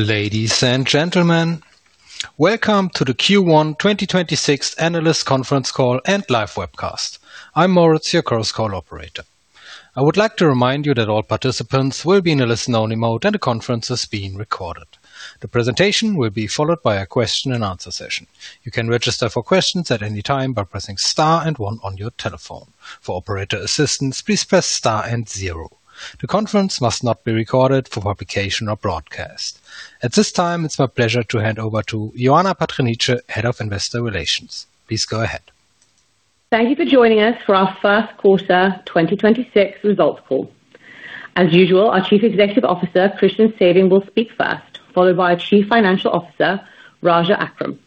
Ladies and gentlemen, welcome to the Q1 2026 analyst conference call and live webcast. I'm Moritz, your conference call operator. I would like to remind you that all participants will be in a listen-only mode, and the conference is being recorded. The presentation will be followed by a question-and-answer session. You can register for questions at any time by pressing star and one on your telephone. For operator assistance, please press star and zero. The conference must not be recorded for publication or broadcast. At this time, it's my pleasure to hand over to Ioana Patriniche, Head of Investor Relations. Please go ahead. Thank you for joining us for our first quarter 2026 results call. As usual, our Chief Executive Officer, Christian Sewing, will speak first, followed by our Chief Financial Officer, Raja Akram.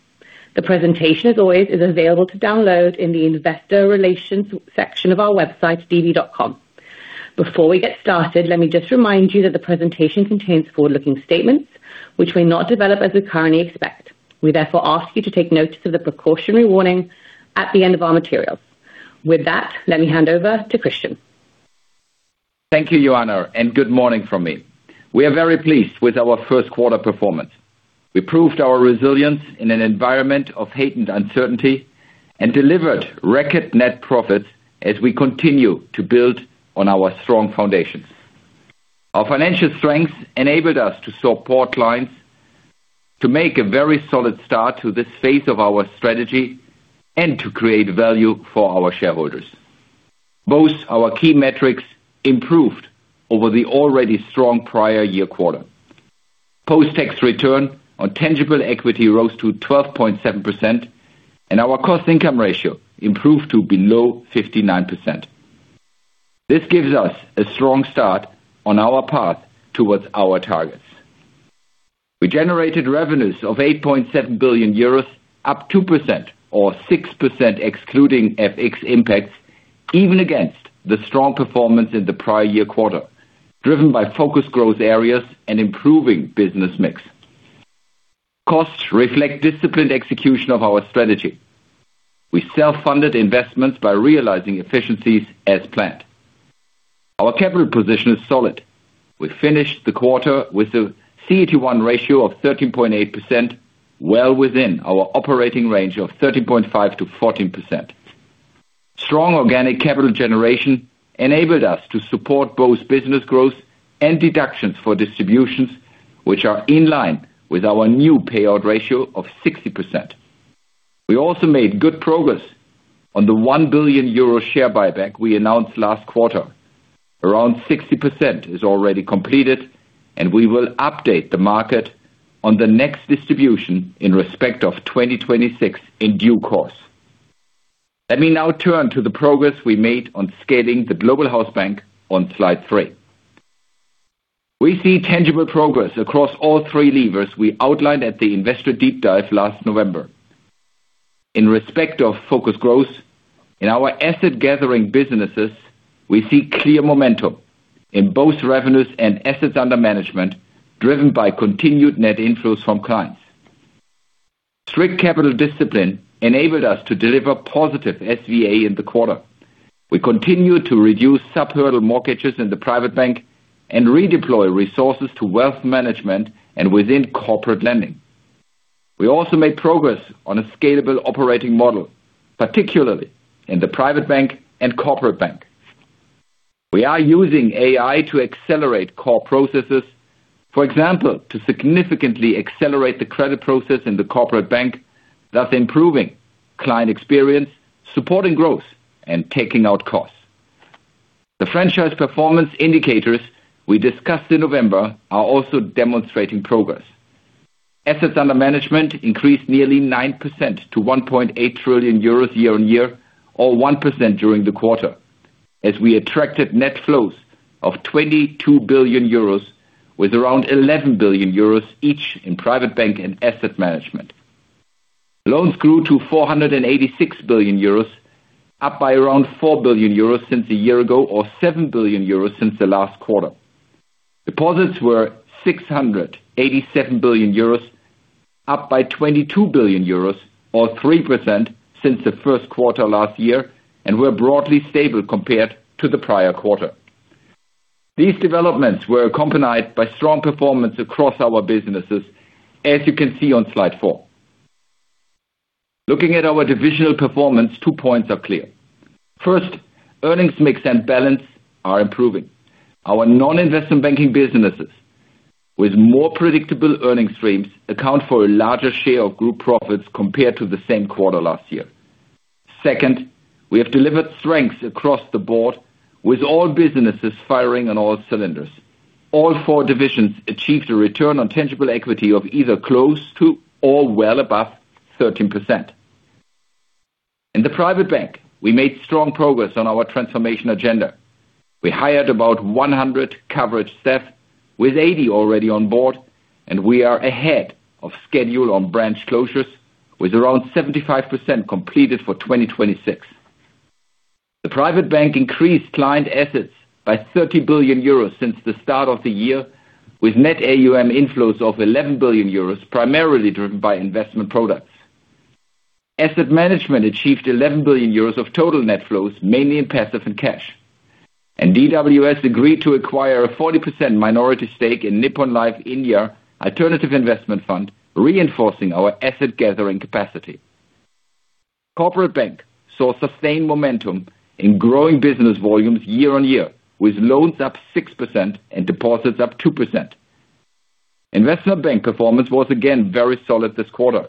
The presentation, as always, is available to download in the investor relations section of our website, db.com. Before we get started, let me just remind you that the presentation contains forward-looking statements which may not develop as we currently expect. We therefore ask you to take notice of the precautionary warning at the end of our materials. With that, let me hand over to Christian. Thank you, Ioana, and good morning from me. We are very pleased with our first quarter performance. We proved our resilience in an environment of heightened uncertainty and delivered record net profits as we continue to build on our strong foundations. Our financial strength enabled us to support clients to make a very solid start to this phase of our strategy and to create value for our shareholders. Both our key metrics improved over the already strong prior year quarter. Post-tax return on tangible equity rose to 12.7%, and our cost income ratio improved to below 59%. This gives us a strong start on our path towards our targets. We generated revenues of 8.7 billion euros, up 2% or 6% excluding FX impacts, even against the strong performance in the prior year quarter, driven by focused growth areas and improving business mix. Costs reflect disciplined execution of our strategy. We self-funded investments by realizing efficiencies as planned. Our capital position is solid. We finished the quarter with a CET1 ratio of 13.8%, well within our operating range of 13.5%-14%. Strong organic capital generation enabled us to support both business growth and deductions for distributions, which are in line with our new payout ratio of 60%. We also made good progress on the 1 billion euro share buyback we announced last quarter. Around 60% is already completed, and we will update the market on the next distribution in respect of 2026 in due course. Let me now turn to the progress we made on scaling the global house bank on Slide 3. We see tangible progress across all three levers we outlined at the Investor Deep Dive last November. In respect of focused growth, in our asset gathering businesses, we see clear momentum in both revenues and assets under management, driven by continued net inflows from clients. Strict capital discipline enabled us to deliver positive SVA in the quarter. We continue to reduce sub-hurdle mortgages in the Private Bank and redeploy resources to wealth management and within Corporate Lending. We also made progress on a scalable operating model, particularly in the Private Bank and Corporate Bank. We are using AI to accelerate core processes, for example, to significantly accelerate the credit process in the Corporate Bank, thus improving client experience, supporting growth and taking out costs. The franchise performance indicators we discussed in November are also demonstrating progress. Assets under management increased nearly 9% to 1.8 trillion euros year on year or 1% during the quarter, as we attracted net flows of 22 billion euros with around 11 billion euros each in Private Bank and Asset Management. Loans grew to 486 billion euros, up by around 4 billion euros since a year ago or 7 billion euros since the last quarter. Deposits were 687 billion euros, up by 22 billion euros or 3% since the first quarter last year and were broadly stable compared to the prior quarter. These developments were accompanied by strong performance across our businesses, as you can see on Slide 4. Looking at our divisional performance, two points are clear. First, earnings mix and balance are improving. Our non-investment banking businesses with more predictable earnings streams account for a larger share of group profits compared to the same quarter last year. Second, we have delivered strengths across the board with all businesses firing on all cylinders. All four divisions achieved a return on tangible equity of either close to or well above 13%. In the Private Bank, we made strong progress on our transformation agenda. We hired about 100 coverage staff with 80 already on board, and we are ahead of schedule on branch closures with around 75% completed for 2026. The Private Bank increased client assets by 30 billion euros since the start of the year with net AUM inflows of 11 billion euros, primarily driven by investment products. Asset Management achieved 11 billion euros of total net flows, mainly in passive and cash. DWS agreed to acquire a 40% minority stake in Nippon Life India Alternative Investment Fund, reinforcing our asset gathering capacity. Corporate Bank saw sustained momentum in growing business volumes year-on-year, with loans up 6% and deposits up 2%. Investment Bank performance was again very solid this quarter.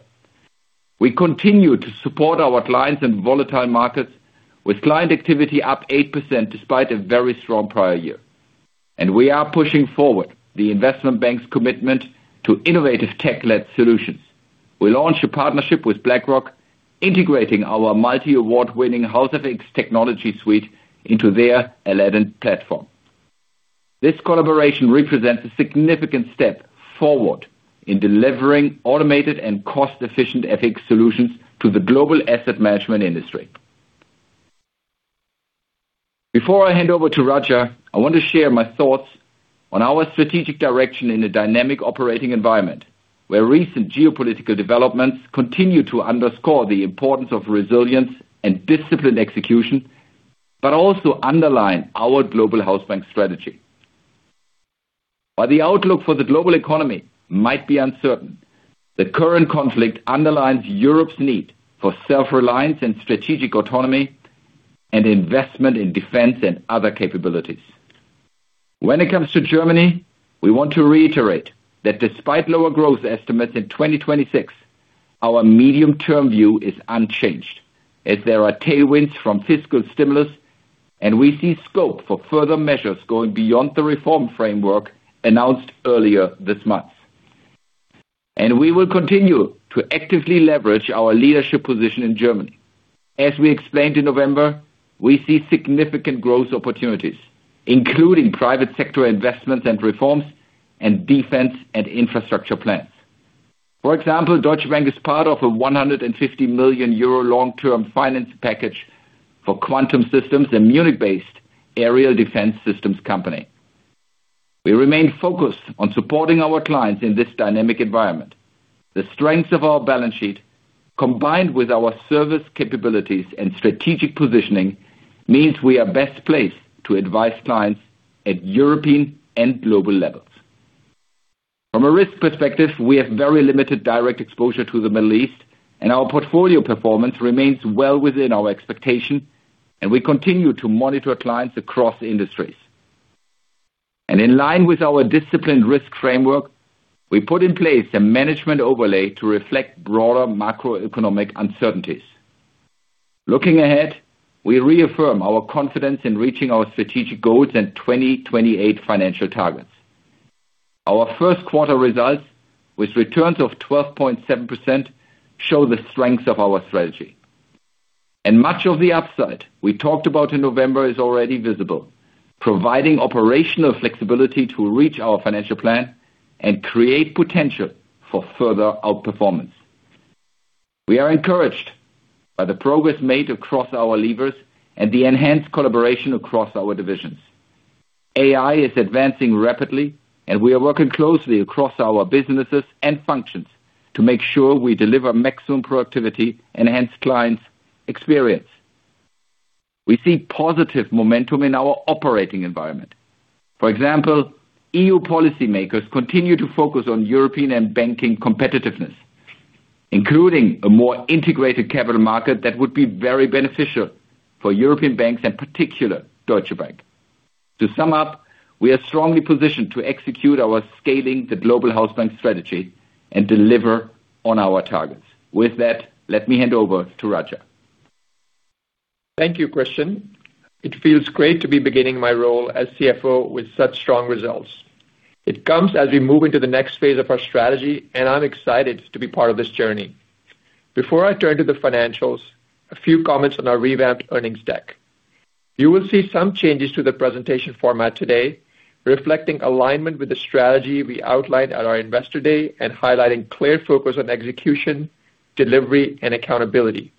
We continue to support our clients in volatile markets with client activity up 8% despite a very strong prior year. We are pushing forward the Investment Bank's commitment to innovative tech-led solutions. We launched a partnership with BlackRock, integrating our multi-award-winning house FX technology suite into their Aladdin platform. This collaboration represents a significant step forward in delivering automated and cost-efficient FX solutions to the global asset management industry. Before I hand over to Raja, I want to share my thoughts on our strategic direction in a dynamic operating environment, where recent geopolitical developments continue to underscore the importance of resilience and disciplined execution, but also underline our global house bank strategy. While the outlook for the global economy might be uncertain, the current conflict underlines Europe's need for self-reliance and strategic autonomy and investment in defense and other capabilities. When it comes to Germany, we want to reiterate that despite lower growth estimates in 2026, our medium-term view is unchanged as there are tailwinds from fiscal stimulus, and we see scope for further measures going beyond the reform framework announced earlier this month. We will continue to actively leverage our leadership position in Germany. As we explained in November, we see significant growth opportunities, including private sector investments and reforms and defense and infrastructure plans. For example, Deutsche Bank is part of a 150 million euro long-term finance package for Quantum Systems, a Munich-based aerial defense systems company. We remain focused on supporting our clients in this dynamic environment. The strengths of our balance sheet, combined with our service capabilities and strategic positioning, means we are best placed to advise clients at European and global levels. From a risk perspective, we have very limited direct exposure to the Middle East and our portfolio performance remains well within our expectation, and we continue to monitor clients across industries. In line with our disciplined risk framework, we put in place a management overlay to reflect broader macroeconomic uncertainties. Looking ahead, we reaffirm our confidence in reaching our strategic goals and 2028 financial targets. Our first quarter results with returns of 12.7% show the strengths of our strategy. Much of the upside we talked about in November is already visible, providing operational flexibility to reach our financial plan and create potential for further outperformance. We are encouraged by the progress made across our levers and the enhanced collaboration across our divisions. AI is advancing rapidly, and we are working closely across our businesses and functions to make sure we deliver maximum productivity, enhanced client experience. We see positive momentum in our operating environment. For example, EU policymakers continue to focus on European and banking competitiveness, including a more integrated capital market that would be very beneficial for European banks, and particular, Deutsche Bank. To sum up, we are strongly positioned to execute our scaling the global house bank strategy and deliver on our targets. With that, let me hand over to Raja. Thank you, Christian. It feels great to be beginning my role as CFO with such strong results. It comes as we move into the next phase of our strategy. I'm excited to be part of this journey. Before I turn to the financials, a few comments on our revamped earnings deck. You will see some changes to the presentation format today, reflecting alignment with the strategy we outlined at our Investor Day and highlighting clear focus on execution, delivery, and accountability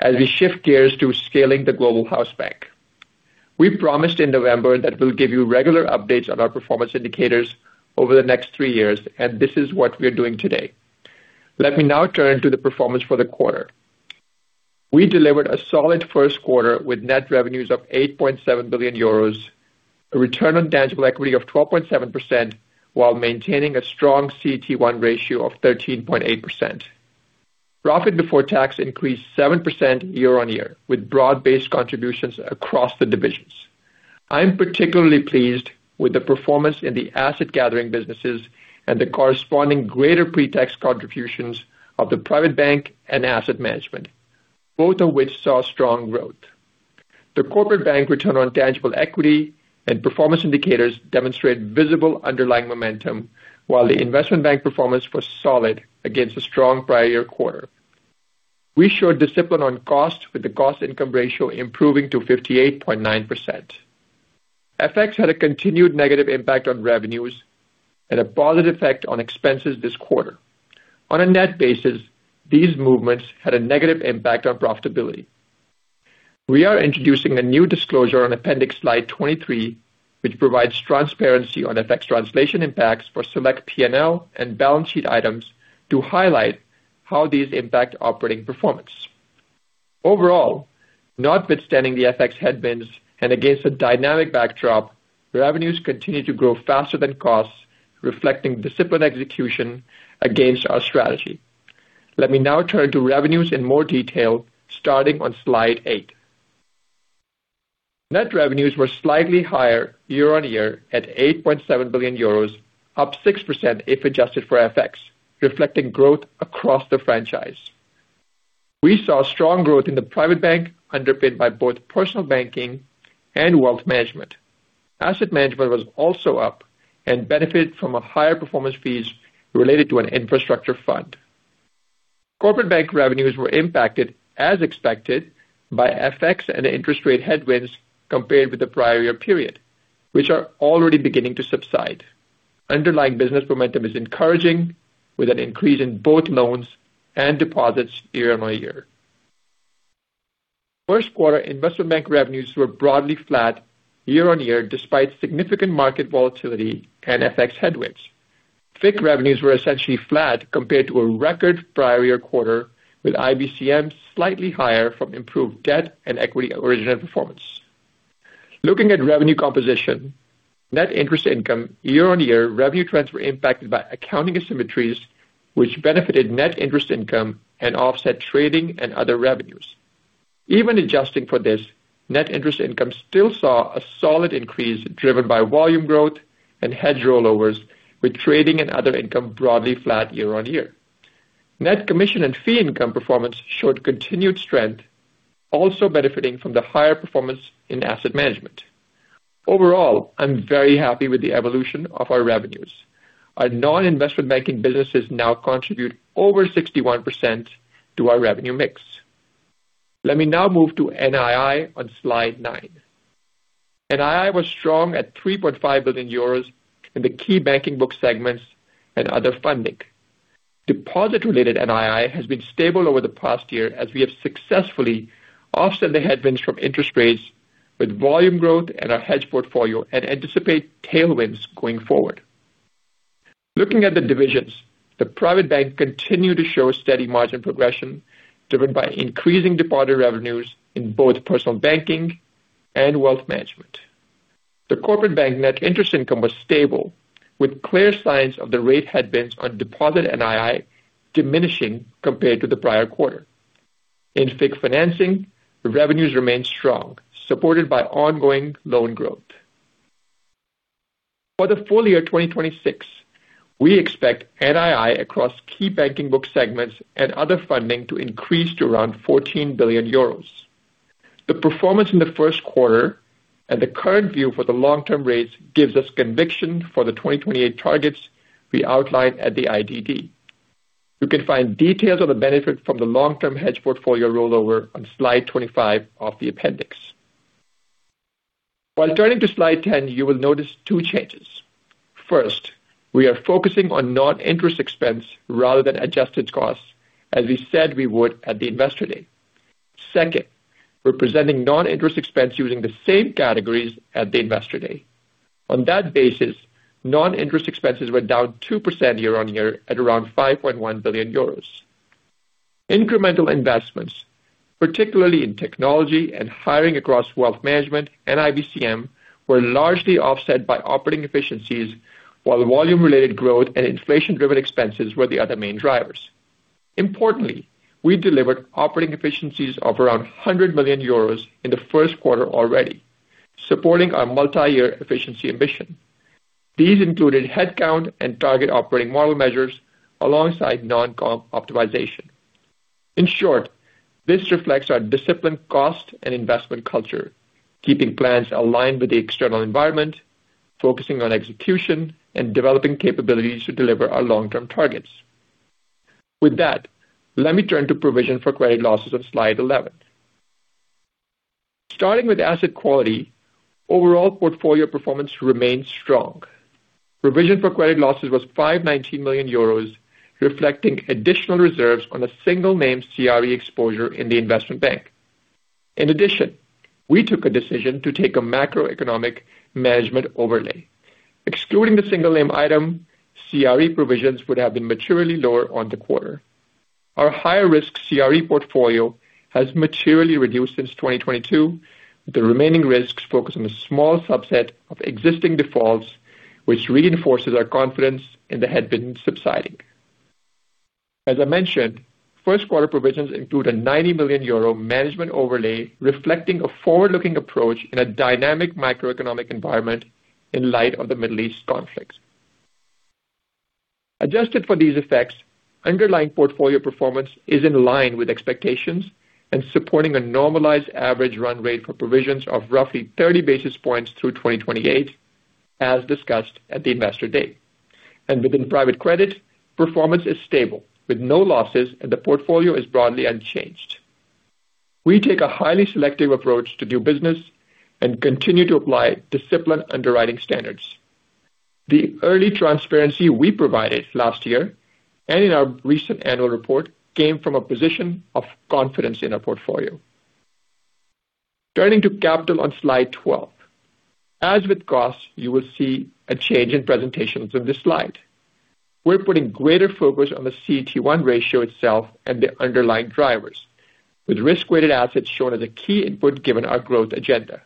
as we shift gears to scaling the global house bank. We promised in November that we'll give you regular updates on our performance indicators over the next three years. This is what we are doing today. Let me now turn to the performance for the quarter. We delivered a solid first quarter with net revenues of 8.7 billion euros, a return on tangible equity of 12.7% while maintaining a strong CET1 ratio of 13.8%. Profit before tax increased 7% year-on-year with broad-based contributions across the divisions. I'm particularly pleased with the performance in the asset gathering businesses and the corresponding greater pre-tax contributions of the private bank and asset management, both of which saw strong growth. The corporate bank return on tangible equity and performance indicators demonstrate visible underlying momentum, while the investment bank performance was solid against a strong prior year quarter. We showed discipline on cost, with the cost-income ratio improving to 58.9%. FX had a continued negative impact on revenues and a positive effect on expenses this quarter. On a net basis, these movements had a negative impact on profitability. We are introducing a new disclosure on appendix Slide 23, which provides transparency on FX translation impacts for select P&L and balance sheet items to highlight how these impact operating performance. Notwithstanding the FX headwinds and against a dynamic backdrop, revenues continue to grow faster than costs, reflecting disciplined execution against our strategy. Let me now turn to revenues in more detail, starting on Slide 8. Net revenues were slightly higher year-over-year at 8.7 billion euros, up 6% if adjusted for FX, reflecting growth across the franchise. We saw strong growth in the Private Bank, underpinned by both personal banking and wealth management. Asset Management was also up and benefited from a higher performance fees related to an infrastructure fund. Corporate bank revenues were impacted, as expected, by FX and interest rate headwinds compared with the prior year period, which are already beginning to subside. Underlying business momentum is encouraging, with an increase in both loans and deposits year-on-year. first quarter investment bank revenues were broadly flat year-on-year despite significant market volatility and FX headwinds. FIC revenues were essentially flat compared to a record prior year quarter, with IBCM slightly higher from improved debt and equity origination performance. Looking at revenue composition, net interest income year-on-year revenue trends were impacted by accounting asymmetries, which benefited net interest income and offset trading and other revenues. Even adjusting for this, net interest income still saw a solid increase driven by volume growth and hedge rollovers, with trading and other income broadly flat year-on-year. Net commission and fee income performance showed continued strength, also benefiting from the higher performance in asset management. Overall, I'm very happy with the evolution of our revenues. Our non-investment banking businesses now contribute over 61% to our revenue mix. Let me now move to NII on Slide 9. NII was strong at 3.5 billion euros in the key banking book segments and other funding. Deposit-related NII has been stable over the past year as we have successfully offset the headwinds from interest rates with volume growth in our hedge portfolio and anticipate tailwinds going forward. Looking at the divisions, the Private Bank continued to show steady margin progression driven by increasing deposit revenues in both personal banking and wealth management. The Corporate Bank net interest income was stable, with clear signs of the rate headwinds on deposit NII diminishing compared to the prior quarter. In FIC financing, the revenues remained strong, supported by ongoing loan growth. For the full year 2026, we expect NII across key banking book segments and other funding to increase to around 14 billion euros. The performance in the first quarter and the current view for the long-term rates gives us conviction for the 2028 targets we outlined at the IDD. You can find details of the benefit from the long-term hedge portfolio rollover on Slide 25 of the appendix. Turning to Slide 10, you will notice two changes. First, we are focusing on non-interest expense rather than adjusted costs, as we said we would at the investor day. Second, we're presenting non-interest expense using the same categories at the investor day. On that basis, non-interest expenses were down 2% year-on-year at around 5.1 billion euros. Incremental investments, particularly in technology and hiring across wealth management and IBCM, were largely offset by operating efficiencies, while volume-related growth and inflation-driven expenses were the other main drivers. Importantly, we delivered operating efficiencies of around 100 million euros in the first quarter already, supporting our multi-year efficiency ambition. These included headcount and target operating model measures alongside non-comp optimization. In short, this reflects our disciplined cost and investment culture, keeping plans aligned with the external environment, focusing on execution, and developing capabilities to deliver our long-term targets. With that, let me turn to provision for credit losses on Slide 11. Starting with asset quality, overall portfolio performance remains strong. Provision for credit losses was 519 million euros, reflecting additional reserves on a single name CRE exposure in the investment bank. In addition, we took a decision to take a macroeconomic management overlay. Excluding the single name item, CRE provisions would have been materially lower on the quarter. Our higher-risk CRE portfolio has materially reduced since 2022. The remaining risks focus on a small subset of existing defaults, which reinforces our confidence in the headwind subsiding. As I mentioned, first quarter provisions include a 90 million euro management overlay reflecting a forward-looking approach in a dynamic macroeconomic environment in light of the Middle East conflicts. Adjusted for these effects, underlying portfolio performance is in line with expectations and supporting a normalized average run rate for provisions of roughly 30 basis points through 2028, as discussed at the investor day. Within private credit, performance is stable with no losses, and the portfolio is broadly unchanged. We take a highly selective approach to do business and continue to apply disciplined underwriting standards. The early transparency we provided last year and in our recent annual report came from a position of confidence in our portfolio. Turning to capital on Slide 12. As with costs, you will see a change in presentations of this slide. We're putting greater focus on the CET1 ratio itself and the underlying drivers, with risk-weighted assets shown as a key input given our growth agenda.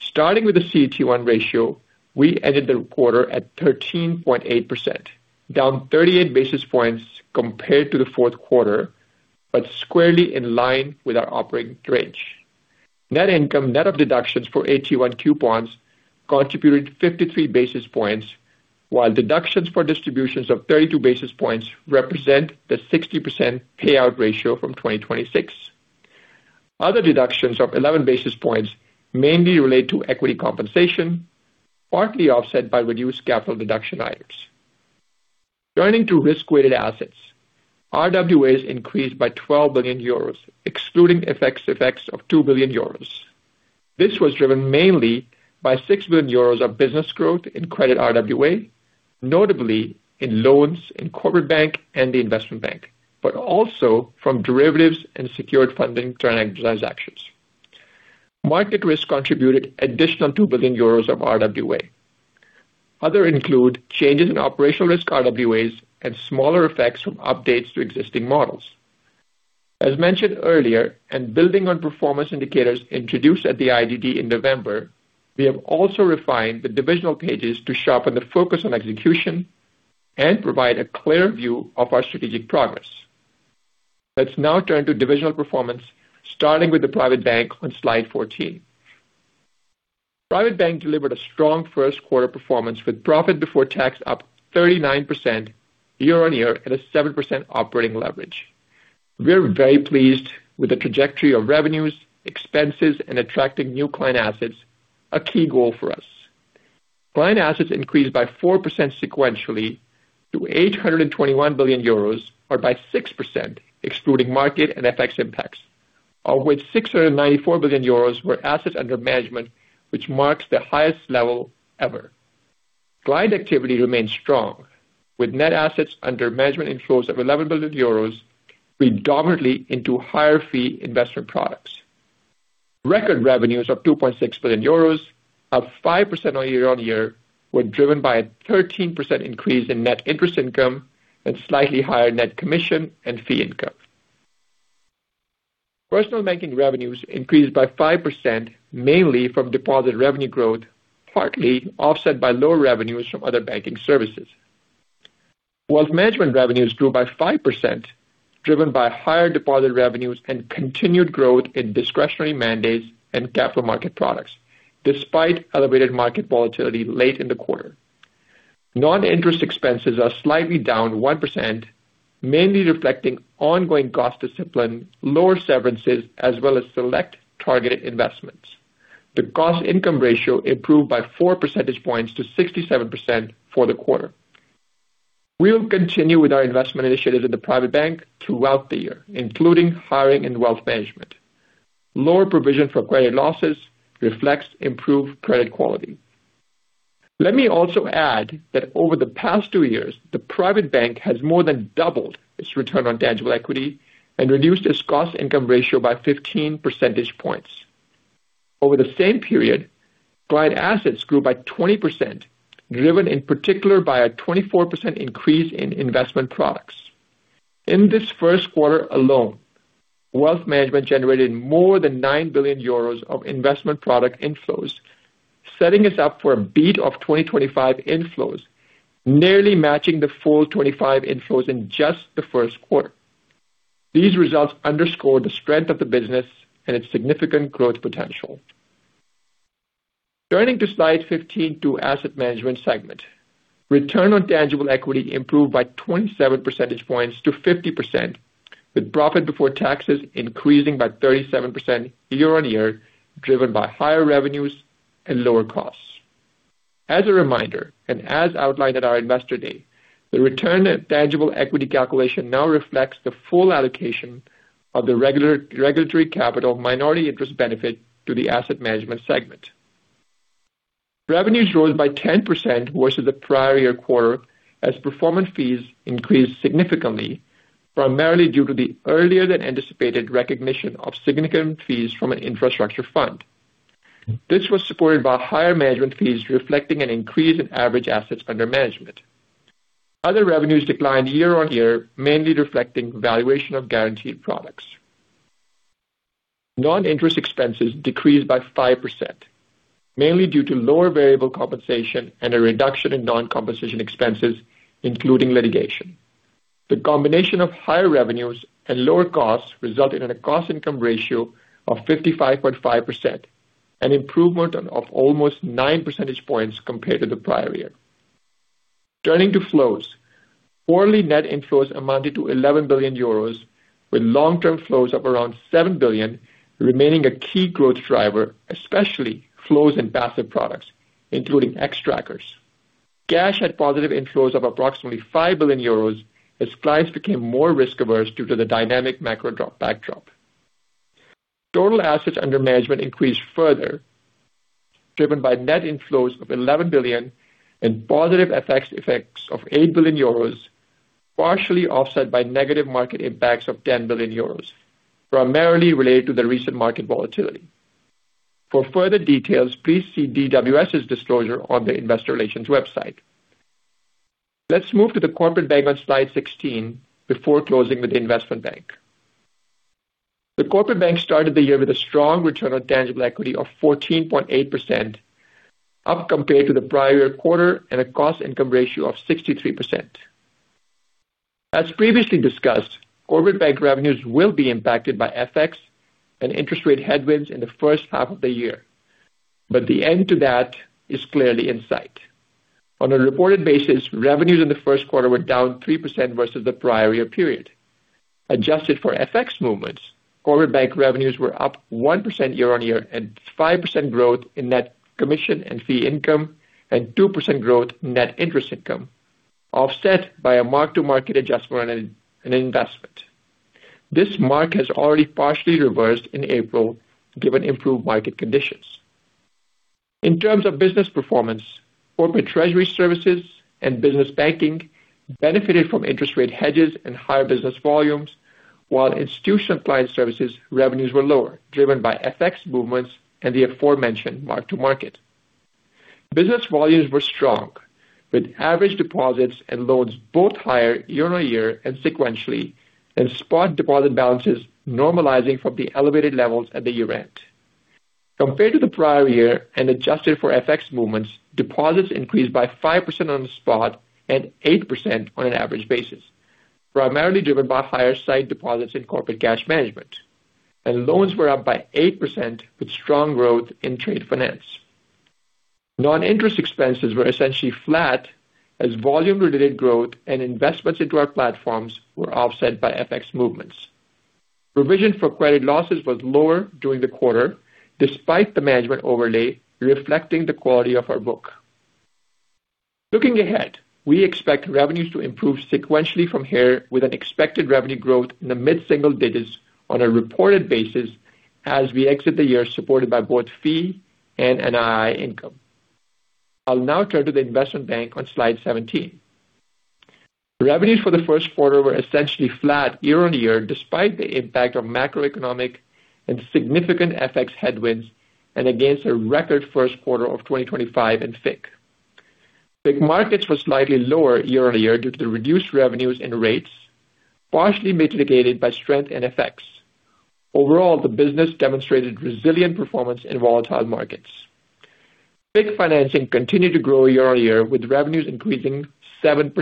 Starting with the CET1 ratio, we ended the quarter at 13.8%, down 38 basis points compared to the fourth quarter, but squarely in line with our operating range. Net income, net of deductions for AT1 coupons, contributed 53 basis points, while deductions for distributions of 32 basis points represent the 60% payout ratio from 2026. Other deductions of 11 basis points mainly relate to equity compensation, partly offset by reduced capital deduction items. Turning to risk-weighted assets. RWAs increased by 12 billion euros, excluding FX effects of 2 billion euros. This was driven mainly by 6 billion euros of business growth in credit RWA, notably in loans in Corporate Bank and the Investment Bank, but also from derivatives and secured funding transactions. Market risk contributed additional 2 billion euros of RWA. Other include changes in operational risk RWAs and smaller effects from updates to existing models. As mentioned earlier, and building on performance indicators introduced at the IDD in November, we have also refined the divisional pages to sharpen the focus on execution and provide a clear view of our strategic progress. Let's now turn to divisional performance, starting with the Private Bank on Slide 14. Private bank delivered a strong first quarter performance with profit before tax up 39% year-over-year at a 7% operating leverage. We are very pleased with the trajectory of revenues, expenses, and attracting new client assets, a key goal for us. Client assets increased by 4% sequentially to 821 billion euros, or by 6% excluding market and FX impacts, of which 694 billion euros were assets under management, which marks the highest level ever. Client activity remains strong, with net assets under management inflows of 11 billion euros predominantly into higher fee investment products. Record revenues of 2.6 billion euros, up 5% year-over-year, were driven by a 13% increase in net interest income and slightly higher net commission and fee income. Personal banking revenues increased by 5%, mainly from deposit revenue growth, partly offset by lower revenues from other banking services. Wealth management revenues grew by 5%, driven by higher deposit revenues and continued growth in discretionary mandates and capital market products, despite elevated market volatility late in the quarter. Non-interest expenses are slightly down 1%, mainly reflecting ongoing cost discipline, lower severances, as well as select targeted investments. The cost income ratio improved by 4 percentage points to 67% for the quarter. We will continue with our investment initiatives in the Private Bank throughout the year, including hiring and wealth management. Lower provision for credit losses reflects improved credit quality. Let me also add that over the past two years, the Private Bank has more than doubled its return on tangible equity and reduced its cost income ratio by 15 percentage points. Over the same period, client assets grew by 20%, driven in particular by a 24% increase in investment products. In this first quarter alone, Wealth Management generated more than 9 billion euros of investment product inflows, setting us up for a beat of 2025 inflows, nearly matching the full 2025 inflows in just the first quarter. These results underscore the strength of the business and its significant growth potential. Turning to Slide 15 to Asset Management segment. Return on tangible equity improved by 27 percentage points to 50%, with profit before taxes increasing by 37% year-on-year, driven by higher revenues and lower costs. As a reminder, and as outlined at our Investor Day, the return on tangible equity calculation now reflects the full allocation of the regular regulatory capital minority interest benefit to the Asset Management segment. Revenues rose by 10% versus the prior year quarter as performance fees increased significantly, primarily due to the earlier than anticipated recognition of significant fees from an infrastructure fund. This was supported by higher management fees reflecting an increase in average assets under management. Other revenues declined year-on-year, mainly reflecting valuation of guaranteed products. Non-interest expenses decreased by 5%, mainly due to lower variable compensation and a reduction in non-compensation expenses, including litigation. The combination of higher revenues and lower costs resulted in a cost income ratio of 55.5%, an improvement of almost 9 percentage points compared to the prior year. Turning to flows. Quarterly net inflows amounted to 11 billion euros, with long-term flows of around 7 billion remaining a key growth driver, especially flows in passive products, including Xtrackers. Cash had positive inflows of approximately 5 billion euros as clients became more risk-averse due to the dynamic macro backdrop. Total assets under management increased further, driven by net inflows of 11 billion and positive effects of 8 billion euros, partially offset by negative market impacts of 10 billion euros, primarily related to the recent market volatility. For further details, please see DWS's disclosure on the investor relations website. Let's move to the Corporate Bank on Slide 16 before closing with the Investment Bank. The Corporate Bank started the year with a strong return on tangible equity of 14.8%, up compared to the prior quarter and a cost income ratio of 63%. As previously discussed, Corporate Bank revenues will be impacted by FX and interest rate headwinds in the first half of the year. The end to that is clearly in sight. On a reported basis, revenues in the first quarter were down 3% versus the prior year period. Adjusted for FX movements, Corporate Bank revenues were up 1% year-on-year and 5% growth in net commission and fee income and 2% growth net interest income, offset by a mark-to-market adjustment and an investment. This mark has already partially reversed in April given improved market conditions. In terms of business performance, corporate treasury services and business banking benefited from interest rate hedges and higher business volumes, while Institutional Client Services revenues were lower, driven by FX movements and the aforementioned mark-to-market. Business volumes were strong, with average deposits and loans both higher year-on-year and sequentially, and spot deposit balances normalizing from the elevated levels at the year-end. Compared to the prior year and adjusted for FX movements, deposits increased by 5% on the spot and 8% on an average basis, primarily driven by higher site deposits in corporate cash management. Loans were up by 8% with strong growth in trade finance. Non-interest expenses were essentially flat as volume related growth and investments into our platforms were offset by FX movements. Provision for credit losses was lower during the quarter despite the management overlay reflecting the quality of our book. Looking ahead, we expect revenues to improve sequentially from here with an expected revenue growth in the mid-single digits on a reported basis as we exit the year supported by both fee and NII income. I'll now turn to the investment bank on Slide 17. Revenues for the first quarter were essentially flat year-on-year despite the impact of macroeconomic and significant FX headwinds and against a record first quarter of 2025 in FIC. FIC markets were slightly lower year-on-year due to the reduced revenues and rates, partially mitigated by strength in FX. The business demonstrated resilient performance in volatile markets. FIC financing continued to grow year-on-year with revenues increasing 7%.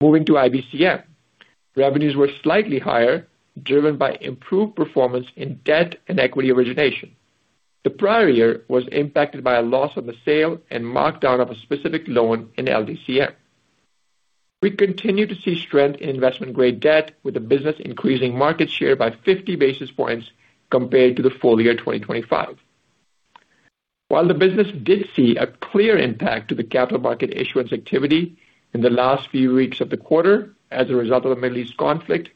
Moving to IBCM, revenues were slightly higher, driven by improved performance in debt and equity origination. The prior year was impacted by a loss on the sale and markdown of a specific loan in LDCM. We continue to see strength in investment-grade debt, with the business increasing market share by 50 basis points compared to the full year 2025. While the business did see a clear impact to the capital market issuance activity in the last few weeks of the quarter as a result of the Middle East conflict,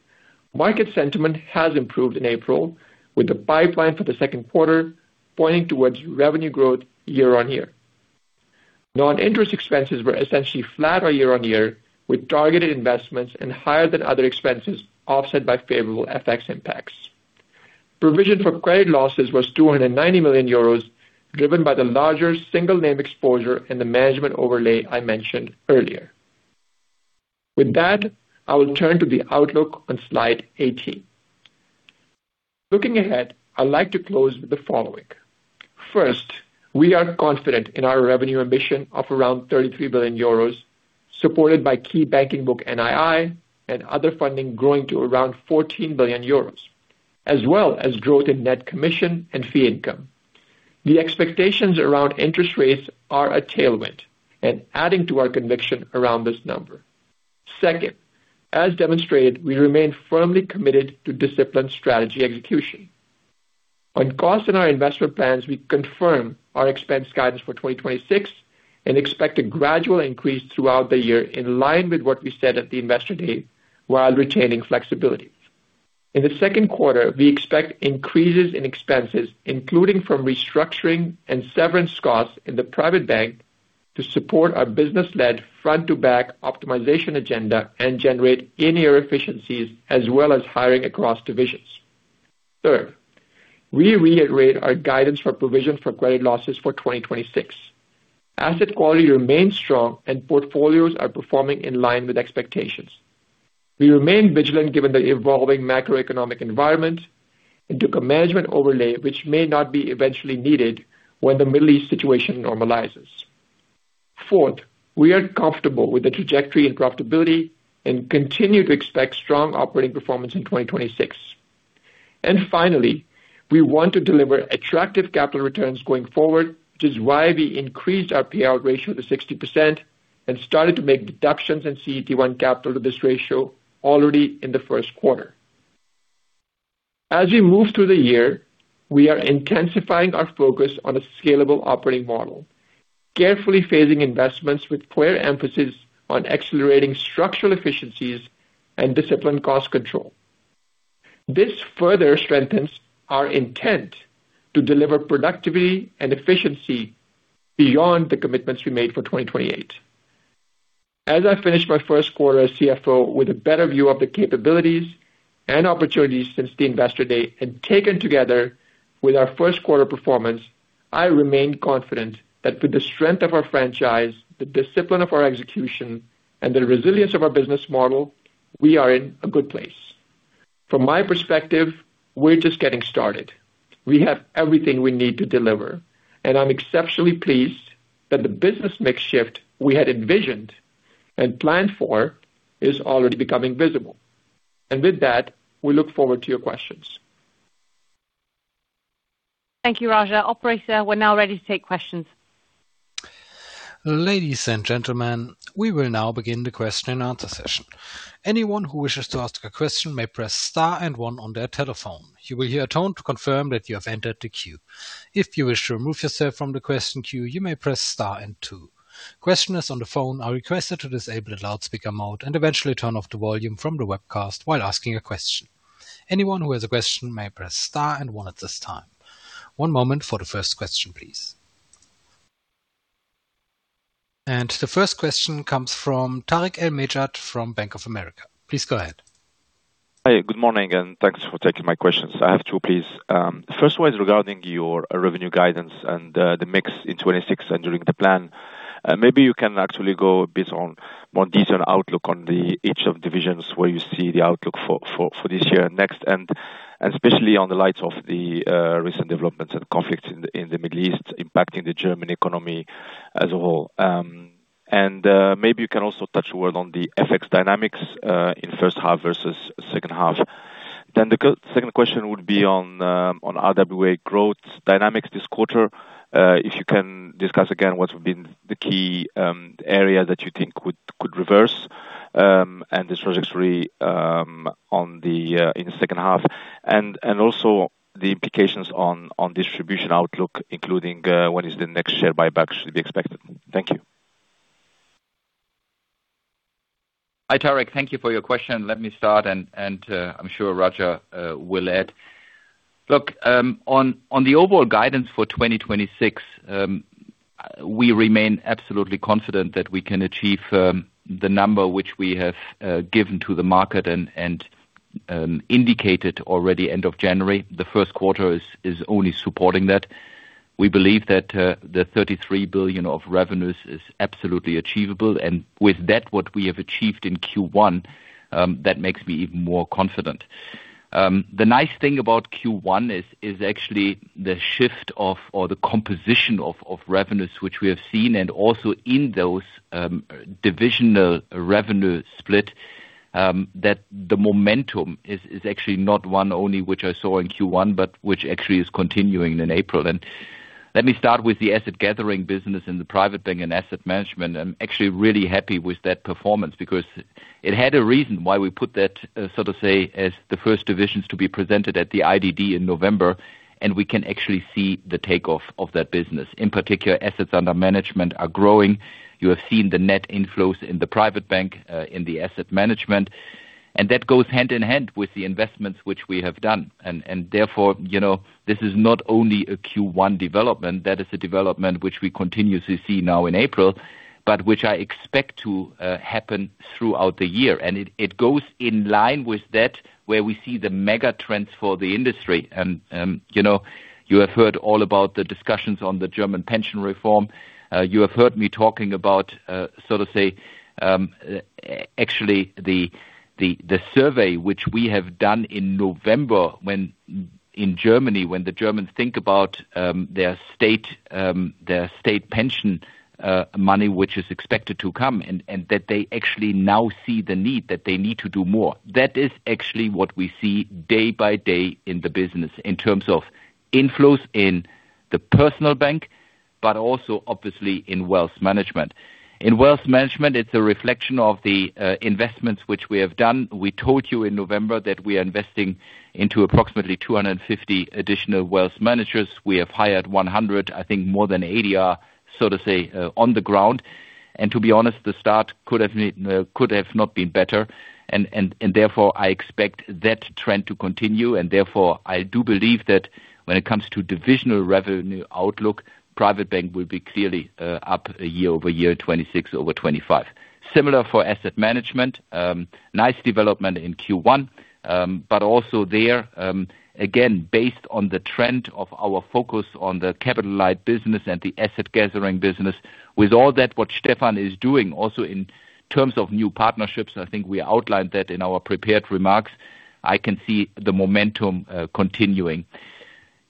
market sentiment has improved in April, with the pipeline for the second quarter pointing towards revenue growth year-on-year. Non-interest expenses were essentially flat on year-on-year, with targeted investments and higher than other expenses offset by favorable FX impacts. Provision for credit losses was 290 million euros, driven by the larger single name exposure and the management overlay I mentioned earlier. With that, I will turn to the outlook on Slide 18. Looking ahead, I'd like to close with the following. First, we are confident in our revenue ambition of around 33 billion euros, supported by key banking book NII and other funding growing to around 14 billion euros, as well as growth in net commission and fee income. The expectations around interest rates are a tailwind and adding to our conviction around this number. Second, as demonstrated, we remain firmly committed to disciplined strategy execution. On cost and our investment plans, we confirm our expense guidance for 2026 and expect a gradual increase throughout the year in line with what we said at the Investor Day while retaining flexibility. In the second quarter, we expect increases in expenses, including from restructuring and severance costs in the Private Bank, to support our business-led front-to-back optimization agenda and generate in-year efficiencies as well as hiring across divisions. Third, we reiterate our guidance for provision for credit losses for 2026. Asset quality remains strong and portfolios are performing in line with expectations. We remain vigilant given the evolving macroeconomic environment and took a management overlay, which may not be eventually needed when the Middle East situation normalizes. Fourth, we are comfortable with the trajectory and profitability and continue to expect strong operating performance in 2026. Finally, we want to deliver attractive capital returns going forward, which is why we increased our payout ratio to 60% and started to make deductions in CET1 capital to this ratio already in the first quarter. As we move through the year, we are intensifying our focus on a scalable operating model, carefully phasing investments with clear emphasis on accelerating structural efficiencies and disciplined cost control. This further strengthens our intent to deliver productivity and efficiency beyond the commitments we made for 2028. As I finish my first quarter as CFO with a better view of the capabilities and opportunities since the investor day and taken together with our first quarter performance, I remain confident that with the strength of our franchise, the discipline of our execution, and the resilience of our business model, we are in a good place. From my perspective, we're just getting started. We have everything we need to deliver, and I'm exceptionally pleased that the business mix shift we had envisioned and planned for is already becoming visible. With that, we look forward to your questions. Thank you, Raja. Operator, we're now ready to take questions. One moment for the first question, please. The first question comes from Tarik El-Mehadji from Bank of America. Please go ahead. Hi, good morning, and thanks for taking my questions. I have two, please. The first one is regarding your revenue guidance and the mix in 2026 and during the plan. Maybe you can actually go a bit on more detailed outlook on each of divisions where you see the outlook for this year and next, and especially on the light of the recent developments and conflicts in the Middle East impacting the German economy as a whole. Maybe you can also touch a word on the FX dynamics in first half versus second half. The second question would be on RWA growth dynamics this quarter. If you can discuss again what would be the key area that you think could reverse this trajectory in the second half and also the implications on distribution outlook, including when is the next share buyback should be expected. Thank you. Hi, Tarik. Thank you for your question. Let me start and I'm sure Raja will add. Look, on the overall guidance for 2026, we remain absolutely confident that we can achieve the number which we have given to the market and indicated already end of January. The first quarter is only supporting that. We believe that 33 billion of revenues is absolutely achievable, and with that, what we have achieved in Q1, that makes me even more confident. The nice thing about Q1 is actually the shift of or the composition of revenues which we have seen and also in those divisional revenue split, that the momentum is actually not one only which I saw in Q1, but which actually is continuing in April. Let me start with the asset gathering business in the private bank and asset management. I'm actually really happy with that performance because it had a reason why we put that, so to say, as the first divisions to be presented at the IDD in November, and we can actually see the takeoff of that business. In particular, assets under management are growing. You have seen the net inflows in the private bank, in the asset management, and that goes hand in hand with the investments which we have done. Therefore, you know, this is not only a Q1 development, that is a development which we continue to see now in April, but which I expect to happen throughout the year. It goes in line with that, where we see the mega trends for the industry. You know, you have heard all about the discussions on the German pension reform. You have heard me talking about, so to say, actually the survey which we have done in November. In Germany, when the Germans think about their state, their state pension money, which is expected to come, and that they actually now see the need that they need to do more. That is actually what we see day by day in the business in terms of inflows in the personal bank, but also obviously in wealth management. In wealth management, it's a reflection of the investments which we have done. We told you in November that we are investing into approximately 250 additional wealth managers. We have hired 100, I think more than 80 are, so to say, on the ground. To be honest, the start could have not been better. Therefore, I expect that trend to continue, and therefore, I do believe that when it comes to divisional revenue outlook, Private Bank will be clearly up year-over-year, 26 over 25. Similar for Asset Management, nice development in Q1, but also there, again, based on the trend of our focus on the capital light business and the asset gathering business. With all that, what Stefan is doing also in terms of new partnerships, I think we outlined that in our prepared remarks. I can see the momentum continuing.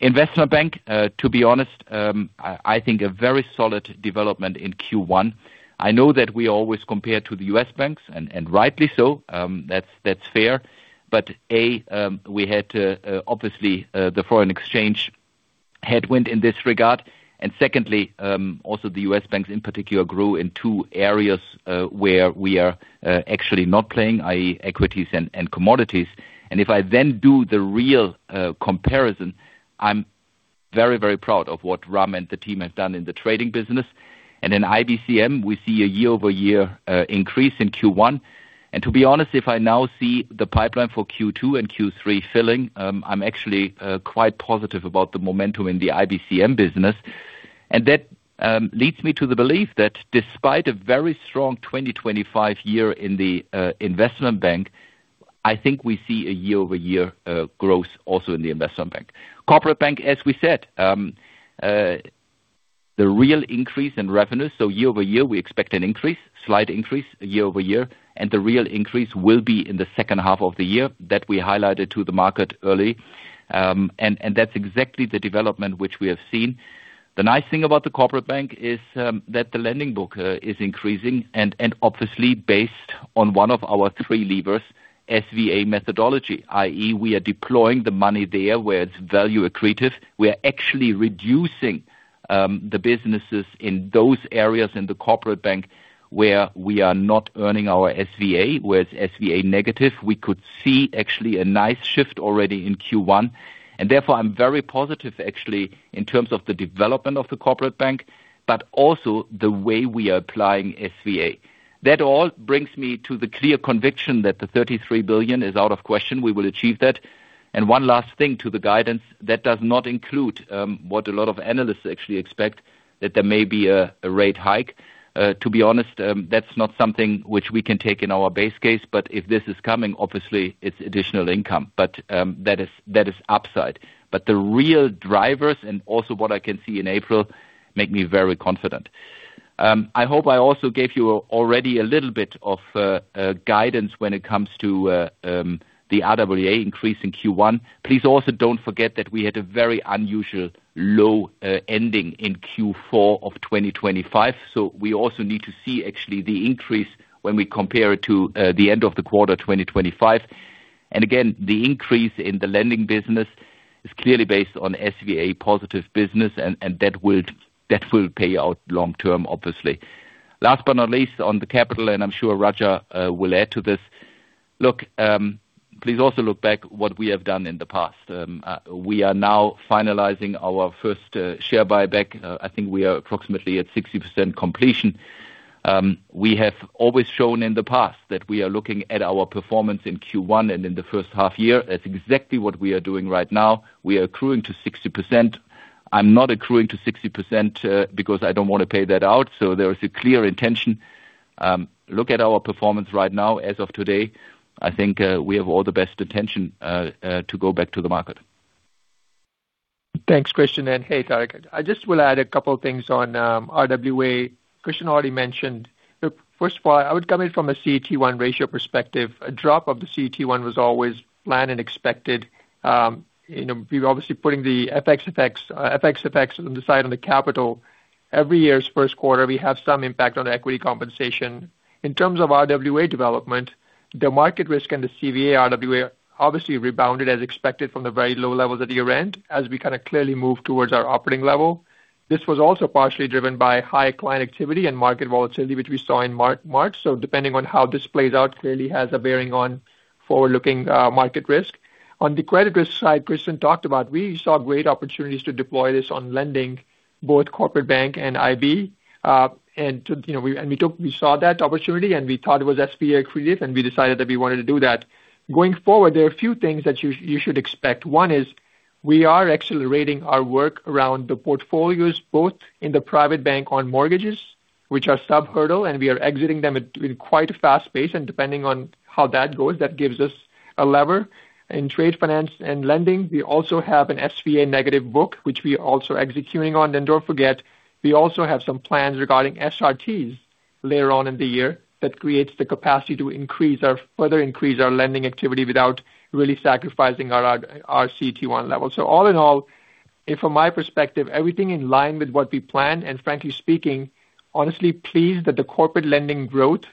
Investment Bank, to be honest, I think a very solid development in Q1. I know that we always compare to the U.S. banks, and rightly so, that's fair. A, we had obviously the foreign exchange headwind in this regard. Secondly, also the U.S. banks in particular grew in two areas, where we are actually not playing, i.e. equities and commodities. If I then do the real comparison, I'm very proud of what Ram and the team have done in the trading business. In IBCM, we see a year-over-year increase in Q1. To be honest, if I now see the pipeline for Q2 and Q3 filling, I'm actually quite positive about the momentum in the IBCM business. That leads me to the belief that despite a very strong 2025 year in the Investment Bank, I think we see a year-over-year growth also in the Investment Bank. Corporate Bank, as we said, the real increase in revenue, so year-over-year we expect an increase, slight increase year-over-year, and the real increase will be in the second half of the year that we highlighted to the market early. That's exactly the development which we have seen. The nice thing about the Corporate Bank is that the lending book is increasing and obviously based on one of our three levers, SVA methodology, i.e., we are deploying the money there where it's value accretive. We are actually reducing the businesses in those areas in the Corporate Bank where we are not earning our SVA, where it's SVA negative. We could see actually a nice shift already in Q1, therefore I'm very positive actually in terms of the development of the corporate bank, but also the way we are applying SVA. That all brings me to the clear conviction that the 33 billion is out of question. We will achieve that. One last thing to the guidance, that does not include what a lot of analysts actually expect that there may be a rate hike. To be honest, that's not something which we can take in our base case, if this is coming, obviously it's additional income. That is upside. The real drivers and also what I can see in April make me very confident. I hope I also gave you already a little bit of guidance when it comes to the RWA increase in Q1. Please also don't forget that we had a very unusual low ending in Q4 of 2025. We also need to see actually the increase when we compare it to the end of the quarter 2025. Again, the increase in the lending business is clearly based on SVA positive business and that will pay out long term, obviously. Last but not least, on the capital, and I'm sure Raja will add to this. Look, please also look back what we have done in the past. We are now finalizing our first share buyback. I think we are approximately at 60% completion. We have always shown in the past that we are looking at our performance in Q1 and in the first half year. That's exactly what we are doing right now. We are accruing to 60%. I'm not accruing to 60% because I don't wanna pay that out. There is a clear intention. Look at our performance right now as of today, I think, we have all the best intention to go back to the market. Thanks, Christian. Hey, Tarik. I just will add a couple things on RWA. Christian already mentioned. Look, first of all, I would come in from a CET1 ratio perspective. A drop of the CET1 was always planned and expected. You know, we're obviously putting the FX effects on the side of the capital. Every year's first quarter we have some impact on the equity compensation. In terms of RWA development, the market risk and the CVaR RWA obviously rebounded as expected from the very low levels at year-end as we kind of clearly move towards our operating level. This was also partially driven by high client activity and market volatility, which we saw in March. Depending on how this plays out, clearly has a bearing on forward-looking market risk. On the credit risk side Christian talked about, we saw great opportunities to deploy this on lending, both corporate bank and IB. To, you know, we saw that opportunity, and we thought it was SVA accretive, and we decided that we wanted to do that. Going forward, there are a few things that you should expect. One is we are accelerating our work around the portfolios, both in the private bank on mortgages, which are sub-hurdle, and we are exiting them at, in quite a fast pace. Depending on how that goes, that gives us a lever. In trade finance and lending, we also have an SVA negative book, which we are also executing on. Don't forget, we also have some plans regarding SRTs later on in the year that creates the capacity to further increase our lending activity without really sacrificing our CET1 level. All in all, and from my perspective, everything in line with what we planned, and frankly speaking, honestly pleased that the corporate lending growth,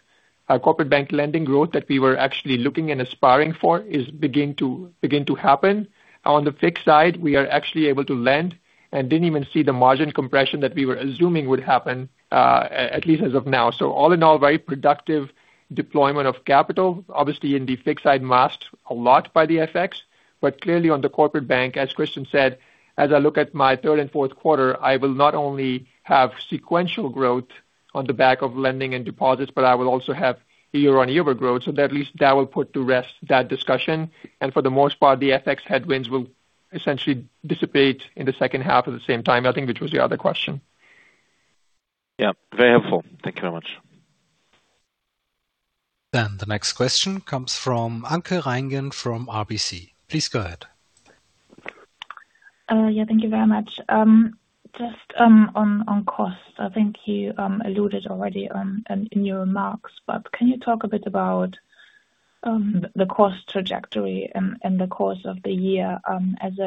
corporate bank lending growth that we were actually looking and aspiring for is begun to happen. On the fixed side, we are actually able to lend and didn't even see the margin compression that we were assuming would happen, at least as of now. All in all, very productive deployment of capital, obviously in the fixed side masked a lot by the FX. Clearly on the Corporate Bank, as Christian said, as I look at my third and fourth quarter, I will not only have sequential growth on the back of lending and deposits, but I will also have year-on-year growth. That at least that will put to rest that discussion. For the most part, the FX headwinds will essentially dissipate in the second half at the same time, I think, which was your other question. Yeah. Very helpful. Thank you very much. The next question comes from Anke Reingen from RBC. Please go ahead. Yeah, thank you very much. Just on costs, I think you alluded already in your remarks, but can you talk a bit about the cost trajectory in the course of the year, as